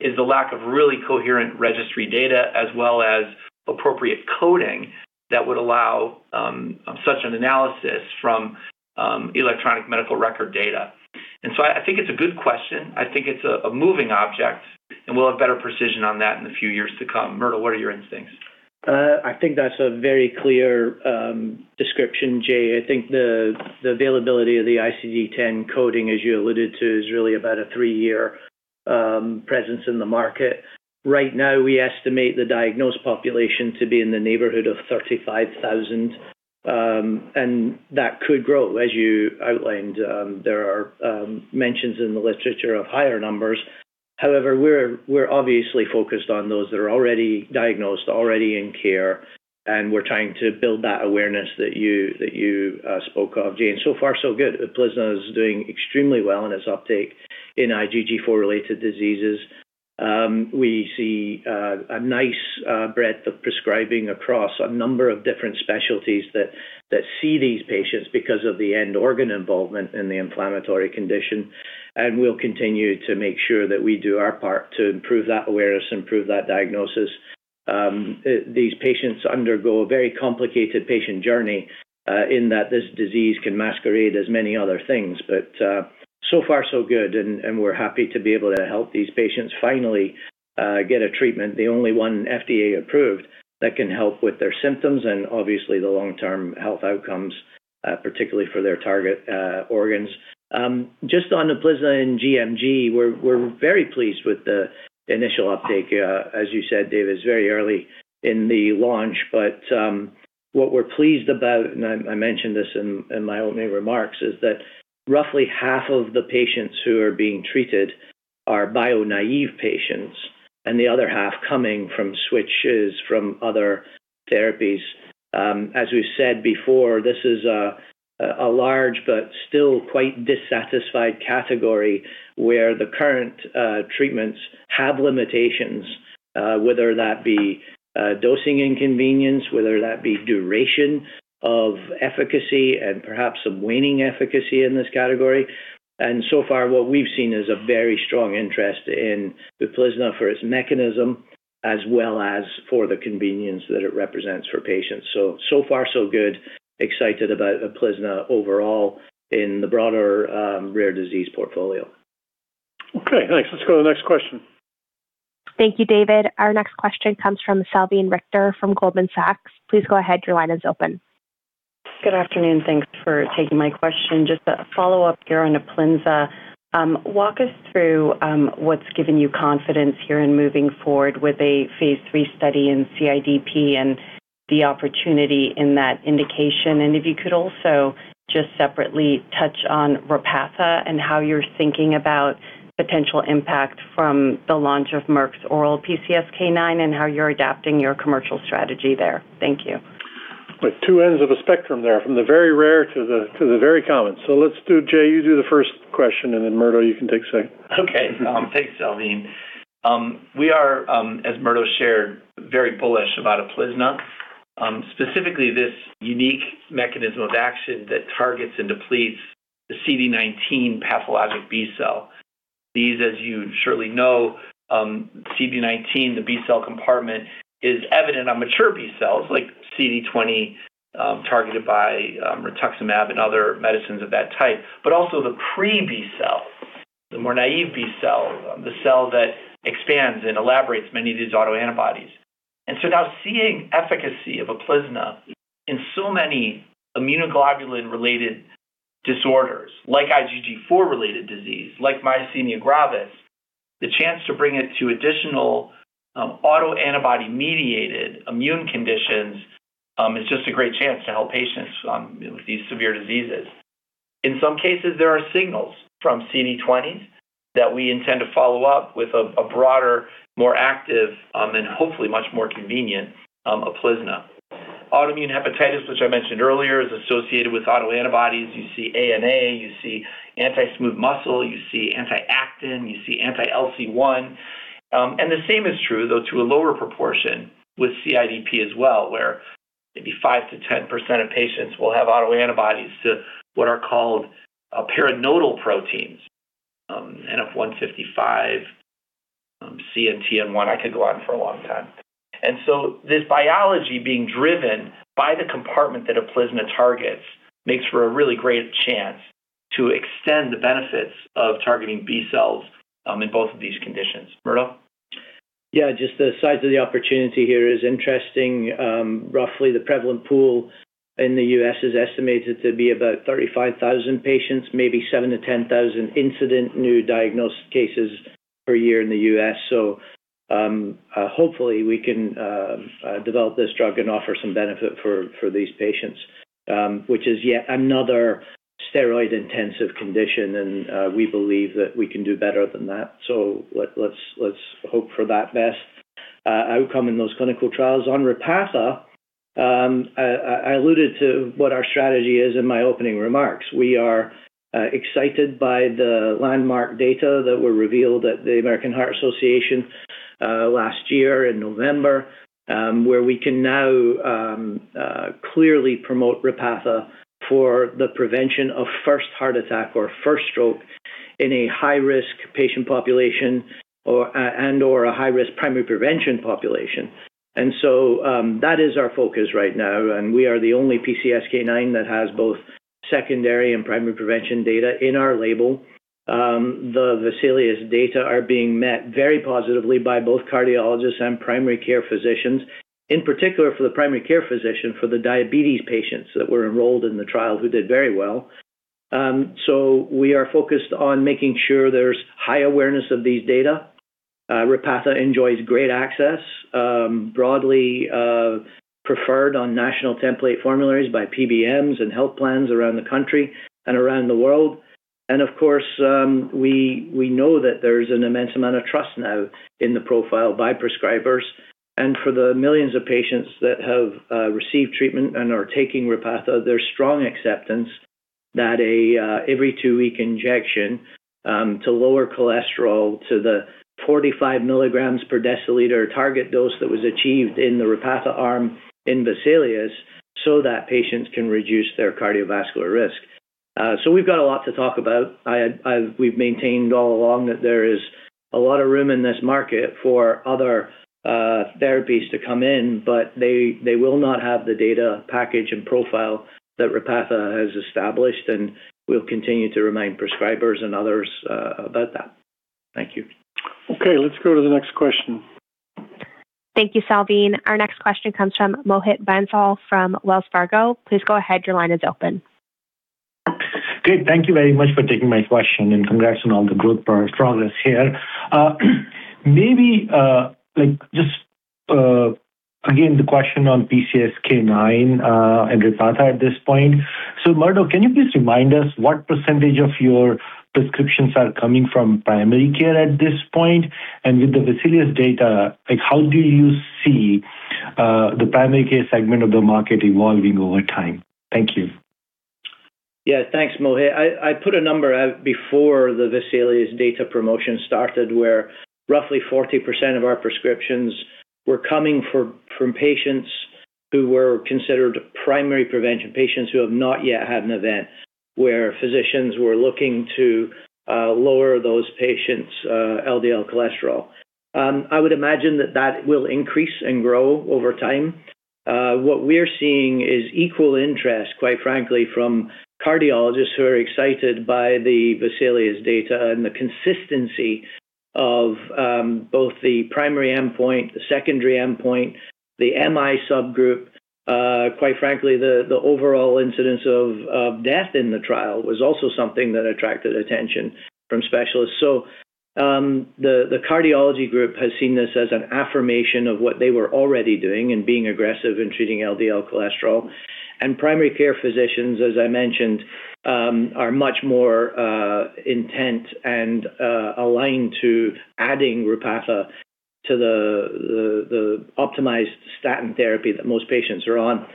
is the lack of really coherent registry data, as well as appropriate coding that would allow, such an analysis from, electronic medical record data. And so I think it's a good question. I think it's a, a moving object, and we'll have better precision on that in a few years to come. Myrtle, what are your instincts? I think that's a very clear description, Jay. I think the availability of the ICD-10 coding, as you alluded to, is really about a three-year presence in the market. Right now, we estimate the diagnosed population to be in the neighborhood of 35,000, and that could grow. As you outlined, there are mentions in the literature of higher numbers. However, we're obviously focused on those that are already diagnosed, already in care, and we're trying to build that awareness that you spoke of, Jay. So far, so good. Uplizna is doing extremely well in its uptake in IgG4-related diseases. We see a nice breadth of prescribing across a number of different specialties that see these patients because of the end organ involvement in the inflammatory condition. We'll continue to make sure that we do our part to improve that awareness, improve that diagnosis. These patients undergo a very complicated patient journey, in that this disease can masquerade as many other things. But, so far, so good, and, and we're happy to be able to help these patients finally, get a treatment, the only one FDA approved, that can help with their symptoms and obviously the long-term health outcomes, particularly for their target, organs. Just on Uplizna and GMG, we're, we're very pleased with the initial uptake. As you said, David, it's very early in the launch, but, what we're pleased about, and I, I mentioned this in, in my opening remarks, is that roughly half of the patients who are being treated are bio-naive patients, and the other half coming from switches from other therapies. As we've said before, this is a large but still quite dissatisfied category where the current treatments have limitations, whether that be dosing inconvenience, whether that be duration of efficacy and perhaps some waning efficacy in this category. And so far, what we've seen is a very strong interest in Uplizna for its mechanism, as well as for the convenience that it represents for patients. So, so far, so good. Excited about Uplizna overall in the broader rare disease portfolio. Okay, thanks. Let's go to the next question. Thank you, David. Our next question comes from Salveen Richter from Goldman Sachs. Please go ahead. Your line is open. Good afternoon. Thanks for taking my question. Just a follow-up here on Uplizna. Walk us through what's given you confidence here in moving forward with a phase III study in CIDP and the opportunity in that indication. And if you could also just separately touch on Repatha and how you're thinking about potential impact from the launch of Merck's oral PCSK9, and how you're adapting your commercial strategy there. Thank you. With two ends of a spectrum there, from the very rare to the, to the very common. So let's do, Jay, you do the first question, and then, Murdo, you can take second. Okay. Thanks, Selene. We are, as Myrtle shared, very bullish about Uplizna, specifically this unique mechanism of action that targets and depletes the CD19 pathologic B-cell. These, as you surely know, CD19, the B-cell compartment, is evident on mature B-cells, like CD20, targeted by, rituximab and other medicines of that type, but also the pre-B cell, the more naive B-cell, the cell that expands and elaborates many of these autoantibodies. And so now, seeing efficacy of Uplizna in so many immunoglobulin-related disorders, like IgG4-related disease, like myasthenia gravis, the chance to bring it to additional, autoantibody-mediated immune conditions, is just a great chance to help patients with these severe diseases. In some cases, there are signals from CD20s that we intend to follow up with a broader, more active, and hopefully much more convenient, Uplizna. Autoimmune hepatitis, which I mentioned earlier, is associated with autoantibodies. You see ANA, you see anti-smooth muscle, you see anti-actin, you see anti-LC1. And the same is true, though to a lower proportion, with CIDP as well, where maybe 5% to 10% of patients will have autoantibodies to what are called perinodal proteins, NF155, CNTN1. I could go on for a long time. And so this biology being driven by the compartment that Uplizna targets makes for a really great chance to extend the benefits of targeting B cells in both of these conditions. Murdo? Yeah, just the size of the opportunity here is interesting. Roughly, the prevalent pool in the U.S. is estimated to be about 35,000 patients, maybe 7,000 to 10,000 incident new diagnosed cases per year in the U.S. So, hopefully, we can develop this drug and offer some benefit for these patients, which is yet another steroid-intensive condition, and we believe that we can do better than that. So let's hope for that best outcome in those clinical trials. On Repatha, I alluded to what our strategy is in my opening remarks. We are excited by the landmark data that were revealed at the American Heart Association last year in November, where we can now clearly promote Repatha for the prevention of first heart attack or first stroke in a high-risk patient population or and/or a high-risk primary prevention population. And so, that is our focus right now, and we are the only PCSK9 that has both secondary and primary prevention data in our label. The VESALIUS data are being met very positively by both cardiologists and primary care physicians, in particular for the primary care physician, for the diabetes patients that were enrolled in the trial, who did very well. So we are focused on making sure there's high awareness of these data. Repatha enjoys great access, broadly preferred on national template formularies by PBMs and health plans around the country and around the world. And of course, we, we know that there's an immense amount of trust now in the profile by prescribers. And for the millions of patients that have received treatment and are taking Repatha, there's strong acceptance that a every two-week injection to lower cholesterol to the 45 mg per dl target dose that was achieved in the Repatha arm in FOURIER, so that patients can reduce their cardiovascular risk. So we've got a lot to talk about. We've maintained all along that there is a lot of room in this market for other therapies to come in, but they will not have the data package and profile that Repatha has established, and we'll continue to remind prescribers and others about that. Thank you. Okay, let's go to the next question. Thank you, Salveen. Our next question comes from Mohit Bansal from Wells Fargo. Please go ahead. Your line is open. Great. Thank you very much for taking my question, and congrats on all the good progress here. Maybe, like, just, again, the question on PCSK9, and Repatha at this point. So, Murdo, can you please remind us what percentage of your prescriptions are coming from primary care at this point? And with the VESALIUS data, like, how do you see the primary care segment of the market evolving over time? Thank you. Yeah. Thanks, Mohit. I put a number out before the VESALIUS data promotion started, where roughly 40% of our prescriptions were coming from patients who were considered primary prevention, patients who have not yet had an event, where physicians were looking to lower those patients' LDL cholesterol. I would imagine that that will increase and grow over time. What we're seeing is equal interest, quite frankly, from cardiologists who are excited by the VESALIUS data and the consistency of both the primary endpoint, the secondary endpoint, the MI subgroup. Quite frankly, the overall incidence of death in the trial was also something that attracted attention from specialists. So, the cardiology group has seen this as an affirmation of what they were already doing and being aggressive in treating LDL cholesterol. Primary care physicians, as I mentioned, are much more intent and aligned to adding Repatha to the optimized statin therapy that most patients are on.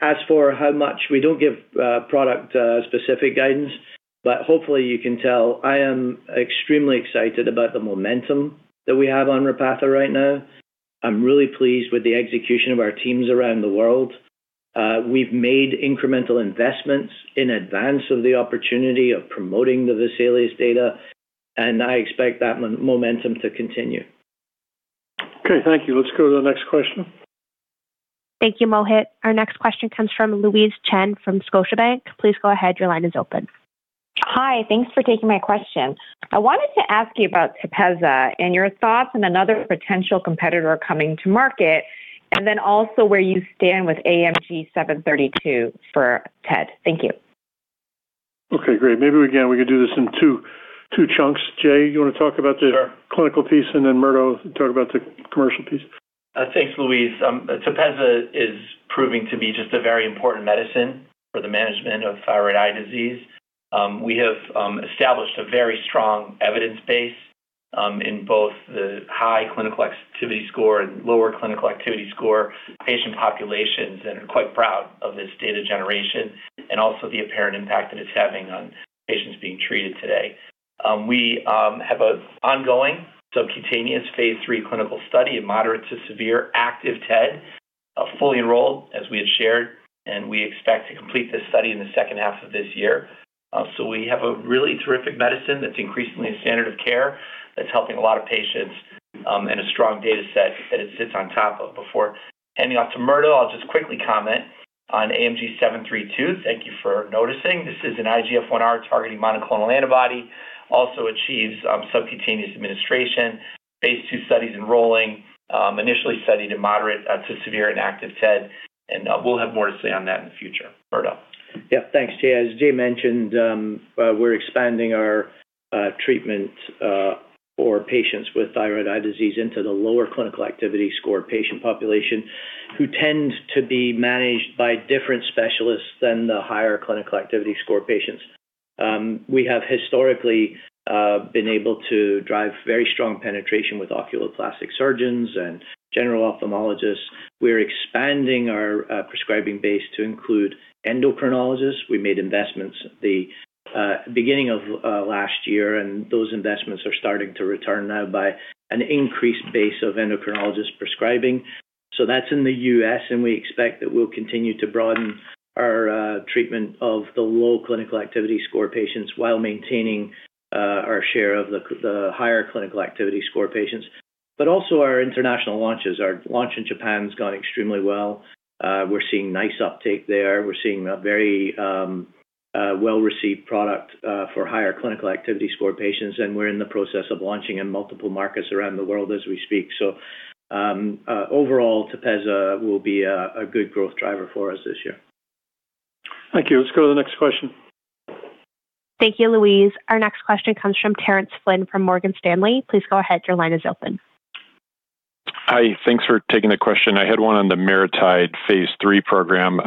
As for how much, we don't give product specific guidance, but hopefully, you can tell I am extremely excited about the momentum that we have on Repatha right now. I'm really pleased with the execution of our teams around the world. We've made incremental investments in advance of the opportunity of promoting the VESALIUS data, and I expect that momentum to continue. Okay. Thank you. Let's go to the next question. Thank you, Mohit. Our next question comes from Louise Chen from Scotiabank. Please go ahead. Your line is open. Hi. Thanks for taking my question. I wanted to ask you about Tepezza and your thoughts on another potential competitor coming to market, and then also where you stand with AMG 732 for TED. Thank you. Okay, great. Maybe, again, we could do this in two chunks. Jay, you want to talk about the- Sure. Clinical piece, and then Murdo, talk about the clinical piece? Thanks, Louise. Tepezza is proving to be just a very important medicine for the management of thyroid eye disease. We have established a very strong evidence base in both the high clinical activity score and lower clinical activity score patient populations, and are quite proud of this data generation and also the apparent impact that it's having on patients being treated today. We have a ongoing subcutaneous phase III clinical study, a moderate to severe active TED, fully enrolled, as we have shared, and we expect to complete this study in the second half of this year. So we have a really terrific medicine that's increasingly a standard of care, that's helping a lot of patients, and a strong data set that it sits on top of. Before handing off to Murdo, I'll just quickly comment on AMG 732. Thank you for noticing. This is an IGF-1R targeting monoclonal antibody, also achieves subcutaneous administration. Phase II study's enrolling, initially studied in moderate to severe and active TED, and we'll have more to say on that in the future. Murdo? Yeah, thanks, Jay. As Jay mentioned, we're expanding our treatment for patients with thyroid eye disease into the lower clinical activity score patient population, who tend to be managed by different specialists than the higher clinical activity score patients. We have historically been able to drive very strong penetration with oculoplastic surgeons and general ophthalmologists. We're expanding our prescribing base to include endocrinologists. We made investments at the beginning of last year, and those investments are starting to return now by an increased base of endocrinologists prescribing. So that's in the U.S., and we expect that we'll continue to broaden our treatment of the low clinical activity score patients while maintaining our share of the higher clinical activity score patients. But also our international launches. Our launch in Japan has gone extremely well. We're seeing nice uptake there. We're seeing a very well-received product for higher clinical activity score patients, and we're in the process of launching in multiple markets around the world as we speak. So, overall, Tepezza will be a good growth driver for us this year. Thank you. Let's go to the next question. Thank you, Louise. Our next question comes from Terence Flynn from Morgan Stanley. Please go ahead. Your line is open. Hi, thanks for taking the question. I had one on the MariTide phase III program.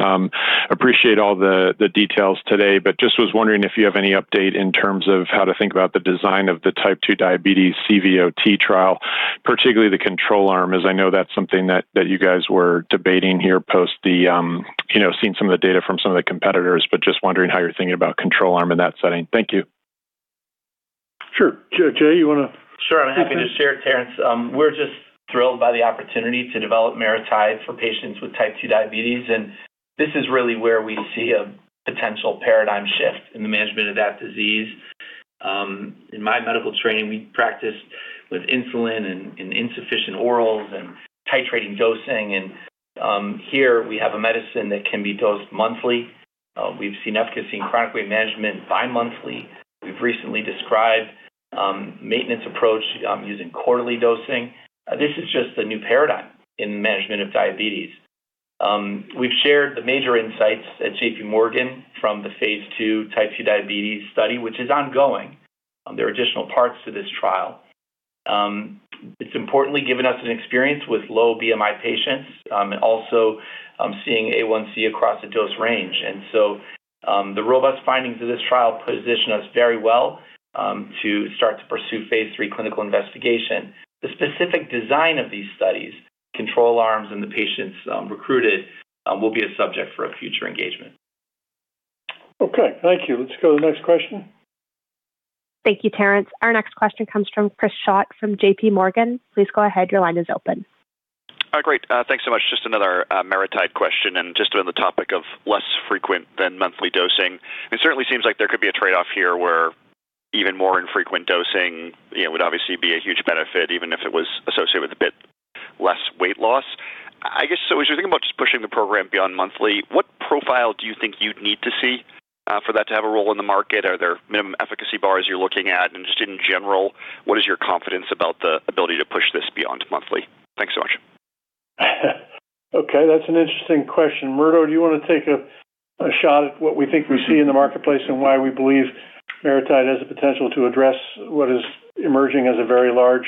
Appreciate all the details today, but just was wondering if you have any update in terms of how to think about the design of the type II diabetes CVOT trial, particularly the control arm, as I know that's something that you guys were debating here post the, you know, seeing some of the data from some of the competitors, but just wondering how you're thinking about control arm in that setting. Thank you. Sure. Jay, you want to- Sure, I'm happy to share, Terence. We're just thrilled by the opportunity to develop MariTide for patients with type II diabetes, and this is really where we see a potential paradigm shift in the management of that disease. In my medical training, we practiced with insulin and insufficient orals and titrating dosing, and here we have a medicine that can be dosed monthly. We've seen efficacy in chronic weight management bi-monthly. We've recently described maintenance approach using quarterly dosing. This is just a new paradigm in management of diabetes. We've shared the major insights at J.P. Morgan from the phase II type II diabetes study, which is ongoing. There are additional parts to this trial. It's importantly given us an experience with low BMI patients and also seeing A1C across the dose range. The robust findings of this trial position us very well to start to pursue phase III clinical investigation. The specific design of these studies, control arms, and the patients recruited will be a subject for a future engagement. Okay, thank you. Let's go to the next question. Thank you, Terence. Our next question comes from Chris Schott from J.P. Morgan. Please go ahead. Your line is open. Great. Thanks so much. Just another MariTide question, and just on the topic of less frequent than monthly dosing. It certainly seems like there could be a trade-off here, where even more infrequent dosing, you know, would obviously be a huge benefit, even if it was associated with a bit less weight loss. I guess, so as you're thinking about just pushing the program beyond monthly, what profile do you think you'd need to see for that to have a role in the market? Are there minimum efficacy bars you're looking at? And just in general, what is your confidence about the ability to push this beyond monthly? Thanks so much. Okay, that's an interesting question. Murdo, do you want to take a shot at what we think we see in the marketplace, and why we believe MariTide has the potential to address what is emerging as a very large,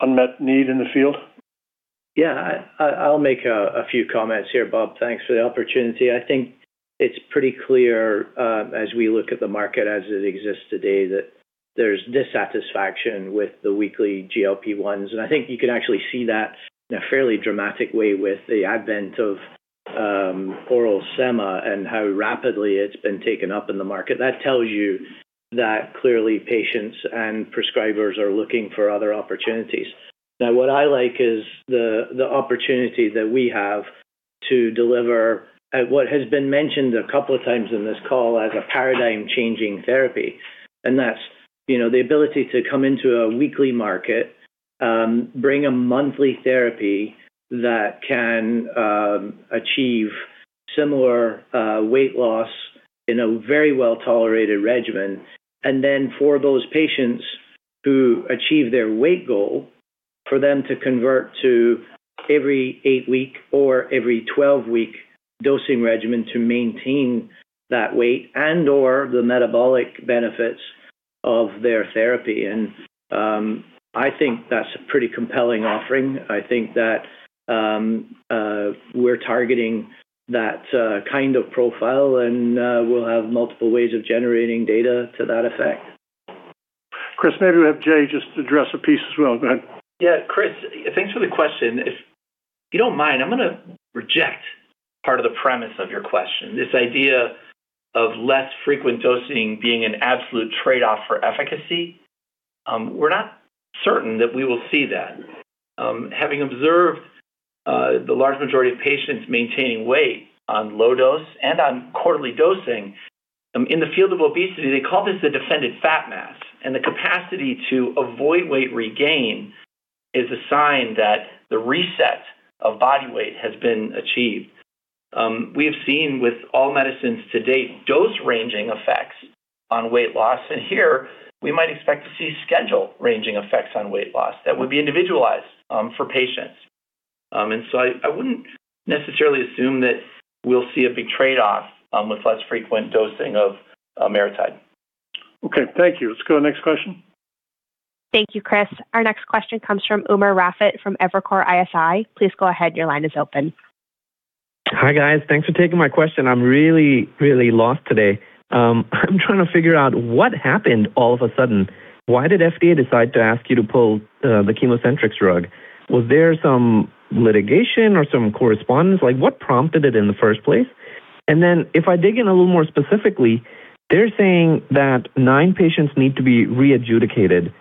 unmet need in the field? Yeah. I'll make a few comments here, Bob. Thanks for the opportunity. I think it's pretty clear, as we look at the market as it exists today, that there's dissatisfaction with the weekly GLP-1s. And I think you can actually see that in a fairly dramatic way with the advent of oral sema and how rapidly it's been taken up in the market. That tells you that clearly patients and prescribers are looking for other opportunities. Now, what I like is the opportunity that we have to deliver what has been mentioned a couple of times in this call as a paradigm-changing therapy, and that's, you know, the ability to come into a weekly market, bring a monthly therapy that can achieve similar weight loss in a very well-tolerated regimen. And then, for those patients who achieve their weight goal, for them to convert to every eight-week or every 12-week dosing regimen to maintain that weight and/or the metabolic benefits of their therapy, and I think that's a pretty compelling offering. I think that, we're targeting that kind of profile, and we'll have multiple ways of generating data to that effect. Chris, maybe we'll have Jay just address a piece as well. Go ahead. Yeah, Chris, thanks for the question. If you don't mind, I'm gonna reject part of the premise of your question. This idea of less frequent dosing being an absolute trade-off for efficacy, we're not certain that we will see that. Having observed the large majority of patients maintaining weight on low dose and on quarterly dosing, in the field of obesity, they call this the defended fat mass, and the capacity to avoid weight regain is a sign that the reset of body weight has been achieved. We have seen with all medicines to date, dose-ranging effects on weight loss, and here we might expect to see schedule-ranging effects on weight loss that would be individualized for patients. And so I wouldn't necessarily assume that we'll see a big trade-off with less frequent dosing of MariTide. Okay, thank you. Let's go to the next question. Thank you, Chris. Our next question comes from Umer Raffat from Evercore ISI. Please go ahead. Your line is open. Hi, guys. Thanks for taking my question. I'm really, really lost today. I'm trying to figure out what happened all of a sudden. Why did FDA decide to ask you to pull the ChemoCentryx drug? Was there some litigation or some correspondence? Like, what prompted it in the first place? And then, if I dig in a little more specifically, they're saying that nine patients need to be readjudicated.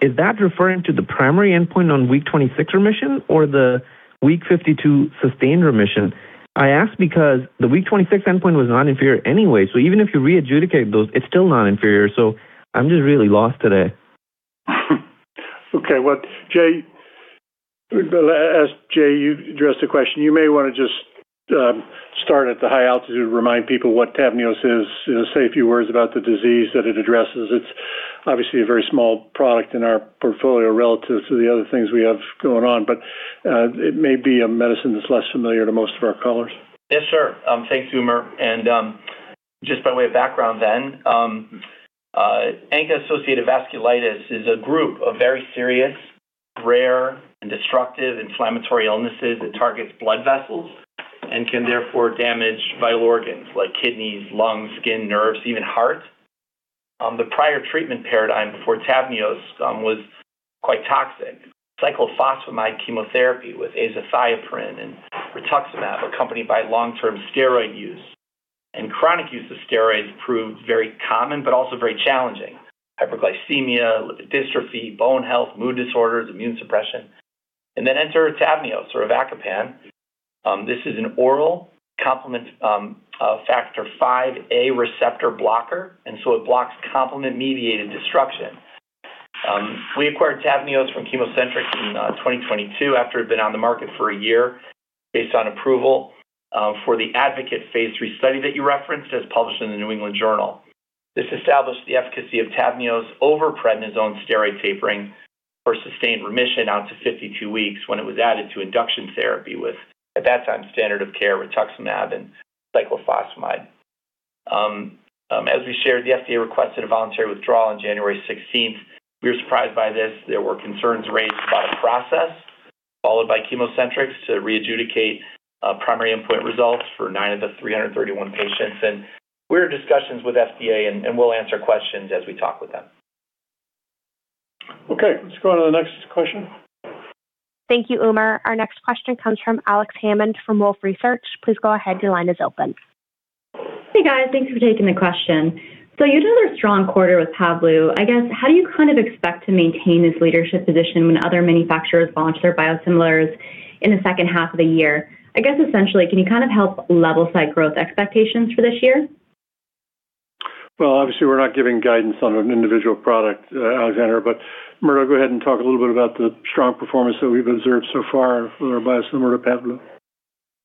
Is that referring to the primary endpoint on week 26 remission or the week 52 sustained remission? I ask because the week 26 endpoint was non-inferior anyway, so even if you readjudicate those, it's still non-inferior. So I'm just really lost today. Okay. Well, Jay, as you addressed the question. You may wanna just start at the high altitude, remind people what Tavneos is, and say a few words about the disease that it addresses. It's obviously a very small product in our portfolio relative to the other things we have going on, but it may be a medicine that's less familiar to most of our callers. Yes, sir. Thanks, Umer, and just by way of background then, ANCA-associated vasculitis is a group of very serious, rare, and destructive inflammatory illnesses that targets blood vessels and can therefore damage vital organs like kidneys, lungs, skin, nerves, even heart. The prior treatment paradigm before Tavneos was quite toxic. Cyclophosphamide chemotherapy with azathioprine and rituximab, accompanied by long-term steroid use. And chronic use of steroids proved very common, but also very challenging. Hyperglycemia, dystrophy, bone health, mood disorders, immune suppression. And then enter Tavneos or avacopan. This is an oral complement C5a receptor blocker, and so it blocks complement-mediated destruction. We acquired Tavneos from ChemoCentryx in 2022 after it had been on the market for a year, based on approval for the ADVOCATE phase III study that you referenced, as published in the New England Journal. This established the efficacy of Tavneos over prednisone steroid tapering for sustained remission out to 52 weeks when it was added to induction therapy with, at that time, standard of care rituximab and cyclophosphamide. As we shared, the FDA requested a voluntary withdrawal on January sixteenth. We were surprised by this. There were concerns raised about a process followed by ChemoCentryx to readjudicate primary endpoint results for nine of the 331 patients. We're in discussions with FDA, and we'll answer questions as we talk with them. Okay, let's go on to the next question. Thank you, Umer. Our next question comes from Alex Hammond from Wolfe Research. Please go ahead. Your line is open. Hey, guys. Thanks for taking the question. So you had another strong quarter with Pavblu. I guess, how do you kind of expect to maintain this leadership position when other manufacturers launch their biosimilars in the second half of the year? I guess, essentially, can you kind of help level-set growth expectations for this year? Well, obviously, we're not giving guidance on an individual product, Alex, but Murdo, go ahead and talk a little bit about the strong performance that we've observed so far for our biosimilar to Pavblu. Well,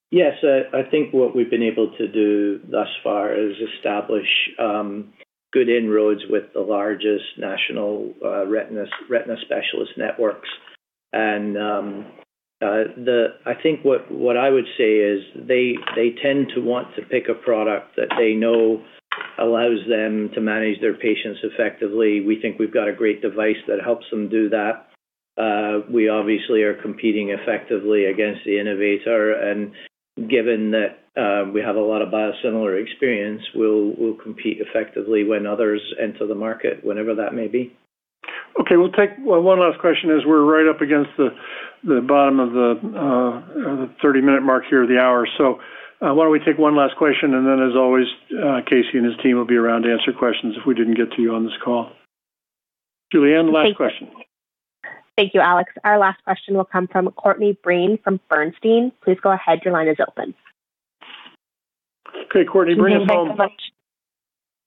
yes, I think what we've been able to do thus far is establish good inroads with the largest national retina specialist networks. And the-- I think what I would say is they tend to want to pick a product that they know allows them to manage their patients effectively. We think we've got a great device that helps them do that. We obviously are competing effectively against the innovator, and given that, we have a lot of biosimilar experience, we'll compete effectively when others enter the market, whenever that may be. Okay, we'll take, well, one last question as we're right up against the bottom of the 30-minute mark here of the hour. So, why don't we take one last question, and then, as always, Casey and his team will be around to answer questions if we didn't get to you on this call. Julianne, last question. Thank you, Alex. Our last question will come from Courtney Breen from Bernstein. Please go ahead. Your line is open. Okay, Courtney, bring us home. Thanks so much.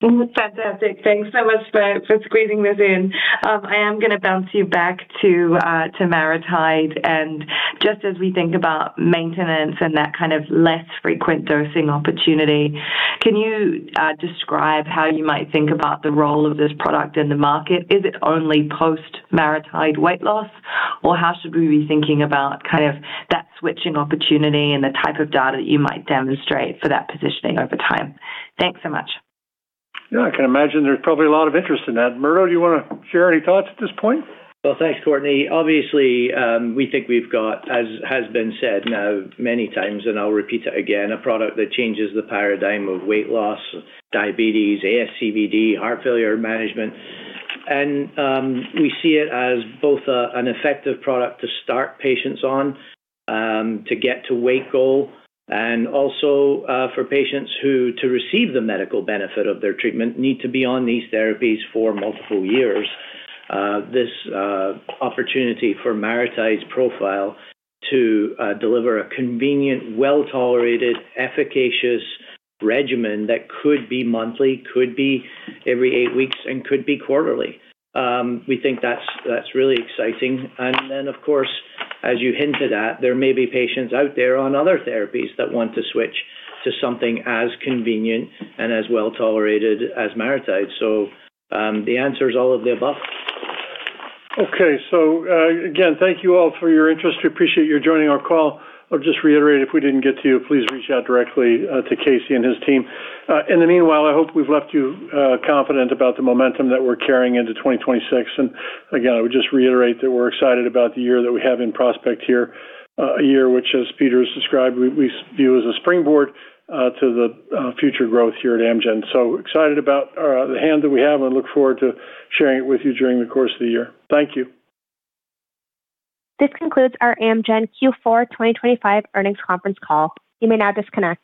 Fantastic. Thanks so much for squeezing this in. I am gonna bounce you back to MariTide, and just as we think about maintenance and that kind of less frequent dosing opportunity, can you describe how you might think about the role of this product in the market? Is it only post MariTide weight loss, or how should we be thinking about kind of that switching opportunity and the type of data that you might demonstrate for that positioning over time? Thanks so much. Yeah, I can imagine there's probably a lot of interest in that. Murdo, do you wanna share any thoughts at this point? Well, thanks, Courtney. Obviously, we think we've got, as has been said now many times, and I'll repeat it again, a product that changes the paradigm of weight loss, diabetes, ASCVD, heart failure management. And, we see it as both, an effective product to start patients on, to get to weight goal, and also, for patients who, to receive the medical benefit of their treatment, need to be on these therapies for multiple years. This opportunity for MariTide's profile to deliver a convenient, well-tolerated, efficacious regimen that could be monthly, could be every eight weeks, and could be quarterly. We think that's really exciting. And then, of course, as you hinted at, there may be patients out there on other therapies that want to switch to something as convenient and as well-tolerated as MariTide. So, the answer is all of the above. Okay. So, again, thank you all for your interest. We appreciate you joining our call. I'll just reiterate, if we didn't get to you, please reach out directly to Casey and his team. In the meanwhile, I hope we've left you confident about the momentum that we're carrying into 2026. And again, I would just reiterate that we're excited about the year that we have in prospect here, a year, which, as Peter has described, we view as a springboard to the future growth here at Amgen. So excited about the hand that we have and look forward to sharing it with you during the course of the year. Thank you. This concludes our Amgen Q4 2025 Earnings Conference Call. You may now disconnect.